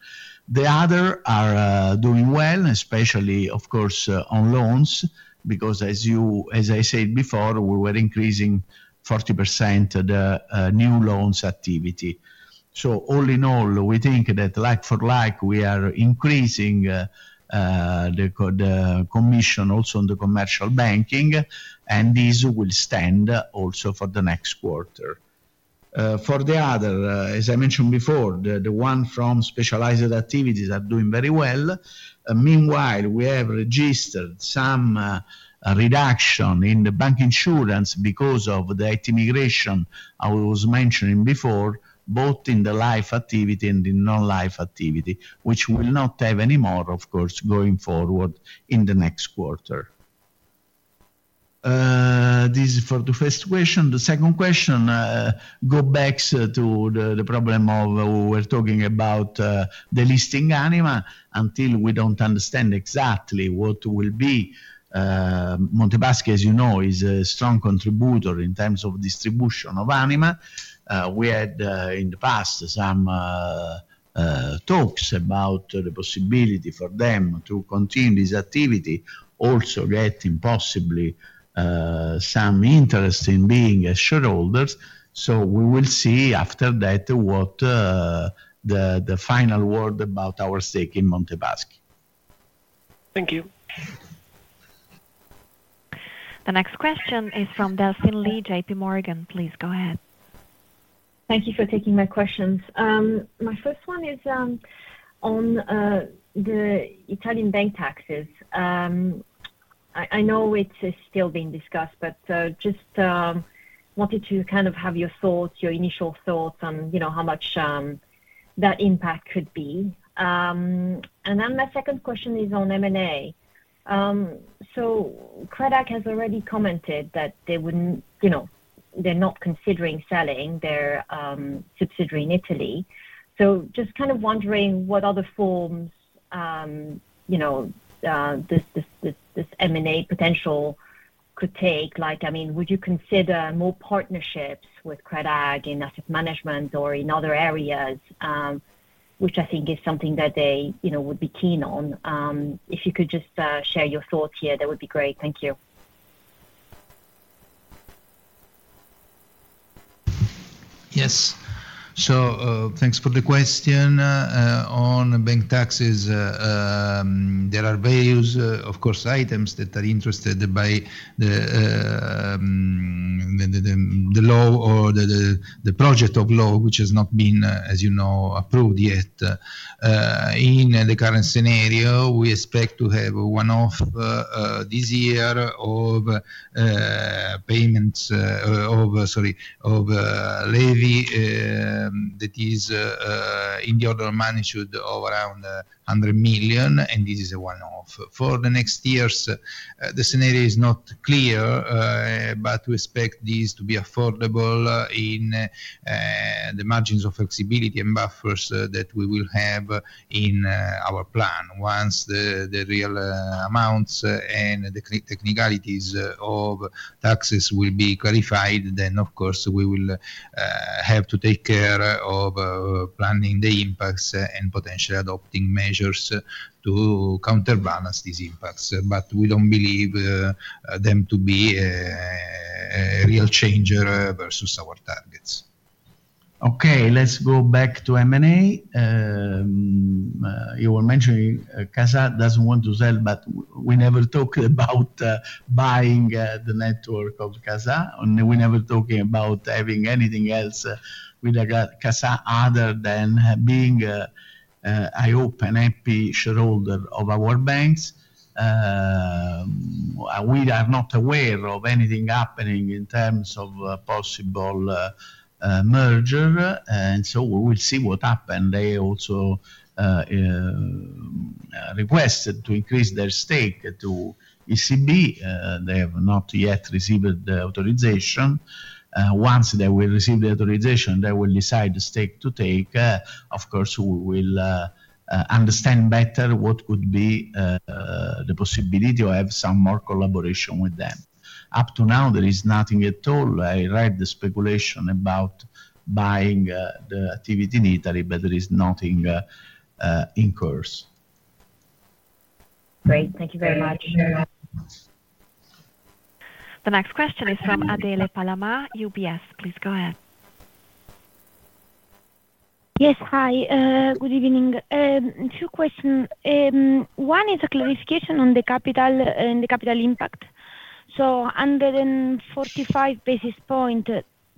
The others are doing well, especially, of course, on loans, because, as I said before, we were increasing 40% the new loans activity. All in all, we think that like for like, we are increasing. The commission also on the commercial banking, and this will stand also for the next quarter. For the other, as I mentioned before, the one from specialized activities are doing very well. Meanwhile, we have registered some reduction in the bancassurance because of the immigration I was mentioning before, both in the life activity and in non-life activity, which will not have any more, of course, going forward in the next quarter. This is for the first question. The second question. Go back to the problem of we're talking about. Delisting Anima until we do not understand exactly what will be. Monte dei Paschi di Siena, as you know, is a strong contributor in terms of distribution of Anima. We had, in the past, some talks about the possibility for them to continue this activity, also getting possibly some interest in being shareholders. We will see after that what the final word about our stake in Monte dei Paschi di Siena. Thank you. The next question is from Delphine Lee, JP Morgan. Please go ahead. Thank you for taking my questions. My first one is on the Italian bank taxes. I know it is still being discussed, but just wanted to kind of have your thoughts, your initial thoughts on how much that impact could be. My second question is on M&A. Credem has already commented that they are not considering selling their subsidiary in Italy. Just kind of wondering what other forms. This M&A potential could take. I mean, would you consider more partnerships with Credem in asset management or in other areas, which I think is something that they would be keen on? If you could just share your thoughts here, that would be great. Thank you. Yes. Thanks for the question. On bank taxes, there are various, of course, items that are interested by the law or the project of law, which has not been, as you know, approved yet. In the current scenario, we expect to have a one-off this year of payments, sorry, of levy that is in the order of magnitude of around 100 million, and this is a one-off. For the next years, the scenario is not clear, but we expect this to be affordable in the margins of flexibility and buffers that we will have in our plan. Once the real amounts and the technicalities of taxes will be clarified, then, of course, we will have to take care of planning the impacts and potentially adopting measures to counterbalance these impacts. We do not believe them to be a real changer versus our targets. Okay. Let's go back to M&A. You were mentioning CASA does not want to sell, but we never talked about buying the network of CASA, and we never talked about having anything else with CASA other than being a happy shareholder of our banks. We are not aware of anything happening in terms of possible merger. We will see what happens. They also requested to increase their stake to ECB. They have not yet received the authorization. Once they receive the authorization, they will decide the stake to take. Of course, we will understand better what could be. The possibility of having some more collaboration with them. Up to now, there is nothing at all. I read the speculation about buying the activity in Italy, but there is nothing in course. Great. Thank you very much. The next question is from Adele Palama, UBS. Please go ahead. Yes. Hi. Good evening. Two questions. One is a clarification on the capital impact. So 145 basis points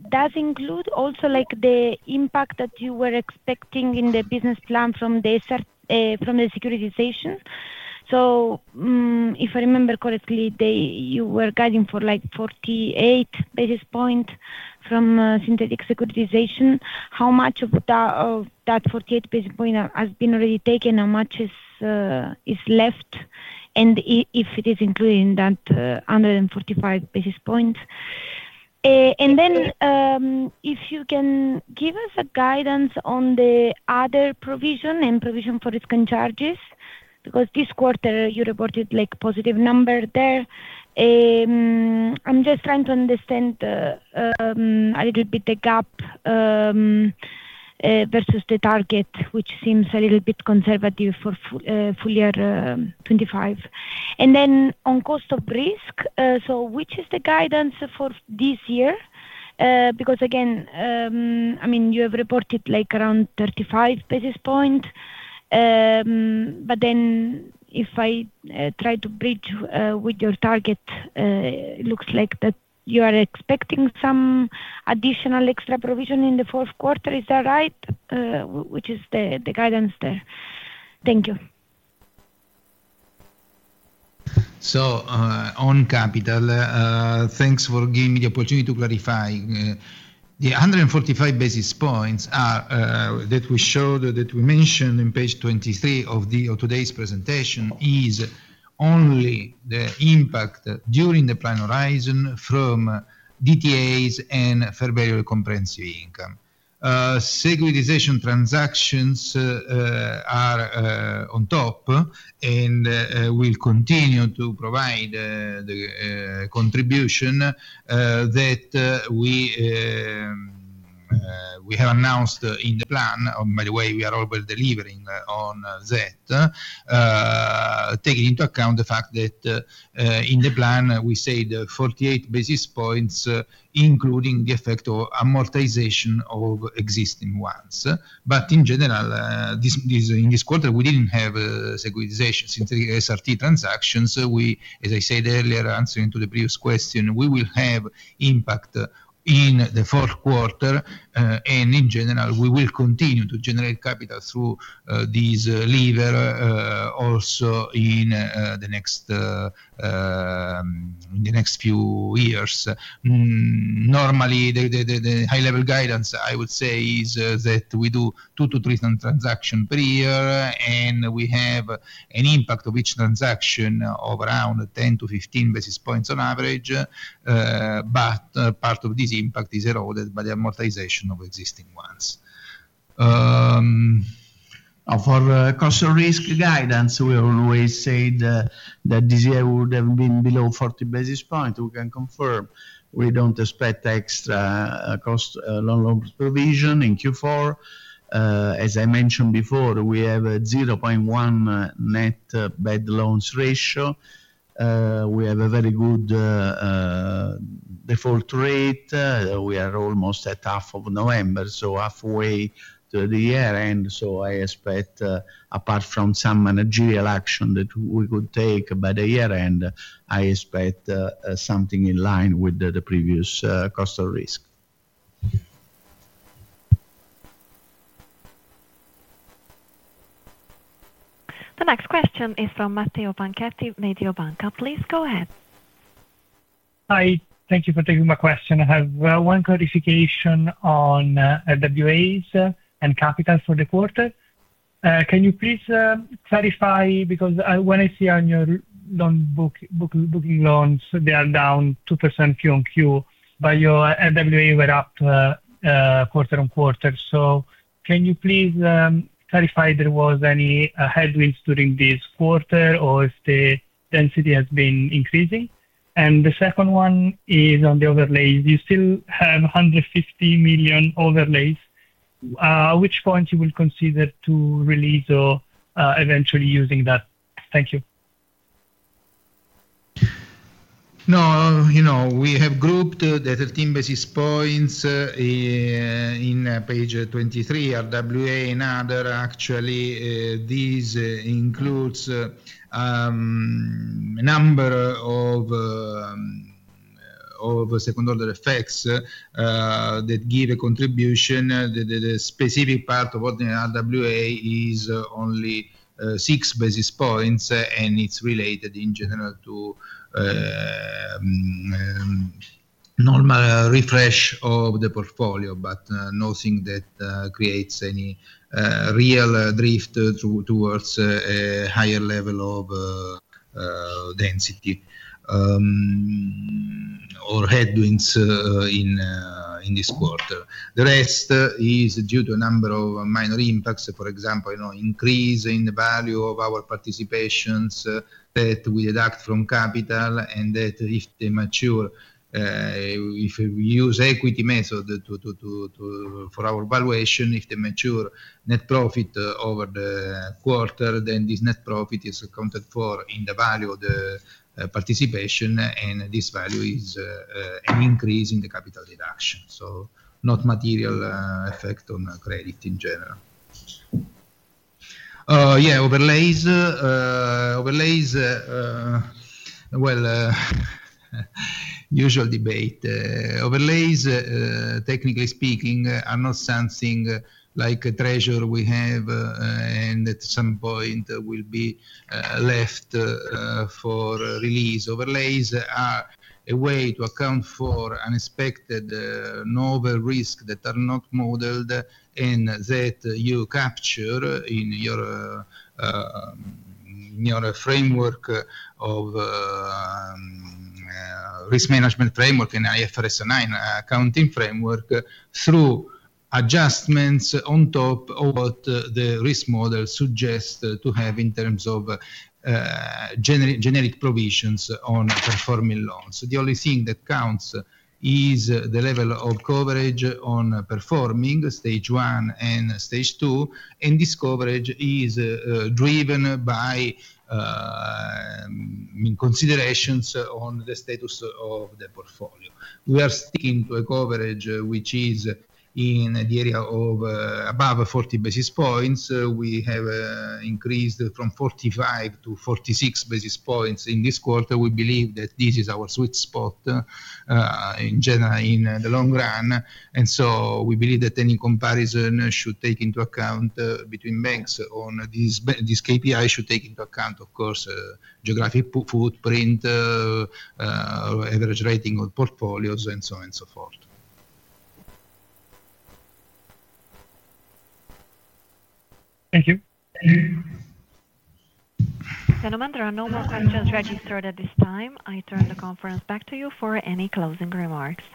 does include also the impact that you were expecting in the business plan from the securitization? If I remember correctly, you were guiding for 48 basis points from synthetic securitization. How much of that 48 basis points has been already taken? How much is left? And if it is included in that 145 basis points? If you can give us a guidance on the other provision and provision for risk and charges, because this quarter, you reported positive numbers there. I'm just trying to understand a little bit the gap versus the target, which seems a little bit conservative for full year 2025. And then on cost of risk, which is the guidance for this year? Because, again, I mean, you have reported around 35 basis points. But then if I try to bridge with your target, it looks like that you are expecting some additional extra provision in the fourth quarter. Is that right? Which is the guidance there? Thank you. On capital, thanks for giving me the opportunity to clarify. The 145 basis points that we showed, that we mentioned in page 23 of today's presentation, is only the impact during the plan horizon from DTAs and fair value comprehensive income. Securitization transactions are on top and will continue to provide the contribution that we have announced in the plan. By the way, we are already delivering on that. Taking into account the fact that in the plan, we said 48 basis points, including the effect of amortization of existing ones. In general, in this quarter, we did not have securitization since the SRT transactions. As I said earlier, answering to the previous question, we will have impact in the fourth quarter. In general, we will continue to generate capital through this lever also in the next few years. Normally, the high-level guidance, I would say, is that we do two to three transactions per year, and we have an impact of each transaction of around 10-15 basis points on average. Part of this impact is eroded by the amortization of existing ones. For cost of risk guidance, we always say that this year would have been below 40 basis points. We can confirm. We do not expect extra cost provision in Q4. As I mentioned before, we have a 0.1% net bad loan ratio. We have a very good default rate. We are almost at half of November, so halfway to the year-end. I expect, apart from some managerial action that we could take by the year-end, something in line with the previous cost of risk. The next question is from Matteo Panchetti, Mediobanca. Please go ahead. Hi. Thank you for taking my question. I have one clarification on RWAs and capital for the quarter. Can you please clarify? Because when I see on your booking loans, they are down 2% quarter on quarter, but your RWA were up quarter on quarter. Can you please clarify if there were any headwinds during this quarter or if the density has been increasing? The second one is on the overlays. You still have 150 million overlays. At which point will you consider to release or eventually using that? Thank you. No, we have grouped the 13 basis points. In page 23, RWA and other. Actually, this includes a number of second-order effects that give a contribution. The specific part of what the RWA is only 6 basis points, and it's related in general to normal refresh of the portfolio, but nothing that creates any real drift towards a higher level of density or headwinds in this quarter. The rest is due to a number of minor impacts. For example, increase in the value of our participations that we deduct from capital, and that if they use equity method for our valuation, if they mature net profit over the quarter, then this net profit is accounted for in the value of the participation, and this value is. An increase in the capital deduction. Not material effect on credit in general. Yeah. Overlays. Usual debate. Overlays, technically speaking, are not something like a treasure we have and at some point will be left for release. Overlays are a way to account for unexpected, novel risks that are not modeled and that you capture in your framework of risk management framework and IFRS 9 accounting framework through adjustments on top of what the risk model suggests to have in terms of generic provisions on performing loans. The only thing that counts is the level of coverage on performing stage one and stage two, and this coverage is driven by considerations on the status of the portfolio. We are sticking to a coverage which is in the area of above 40 basis points. We have increased from 45-46 basis points in this quarter. We believe that this is our sweet spot in the long run. We believe that any comparison should take into account between banks on this KPI, and should take into account, of course, geographic footprint, average rating of portfolios, and so on and so forth. Thank you. Thank you. There are no more questions registered at this time. I turn the conference back to you for any closing remarks.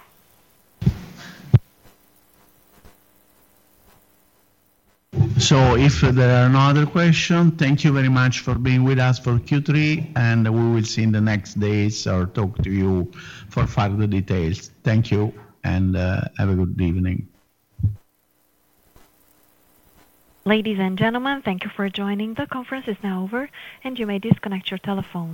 If there are no other questions, thank you very much for being with us for Q3, and we will see you in the next days or talk to you for further details. Thank you, and have a good evening. Ladies and gentlemen, thank you for joining. The conference is now over, and you may disconnect your telephone.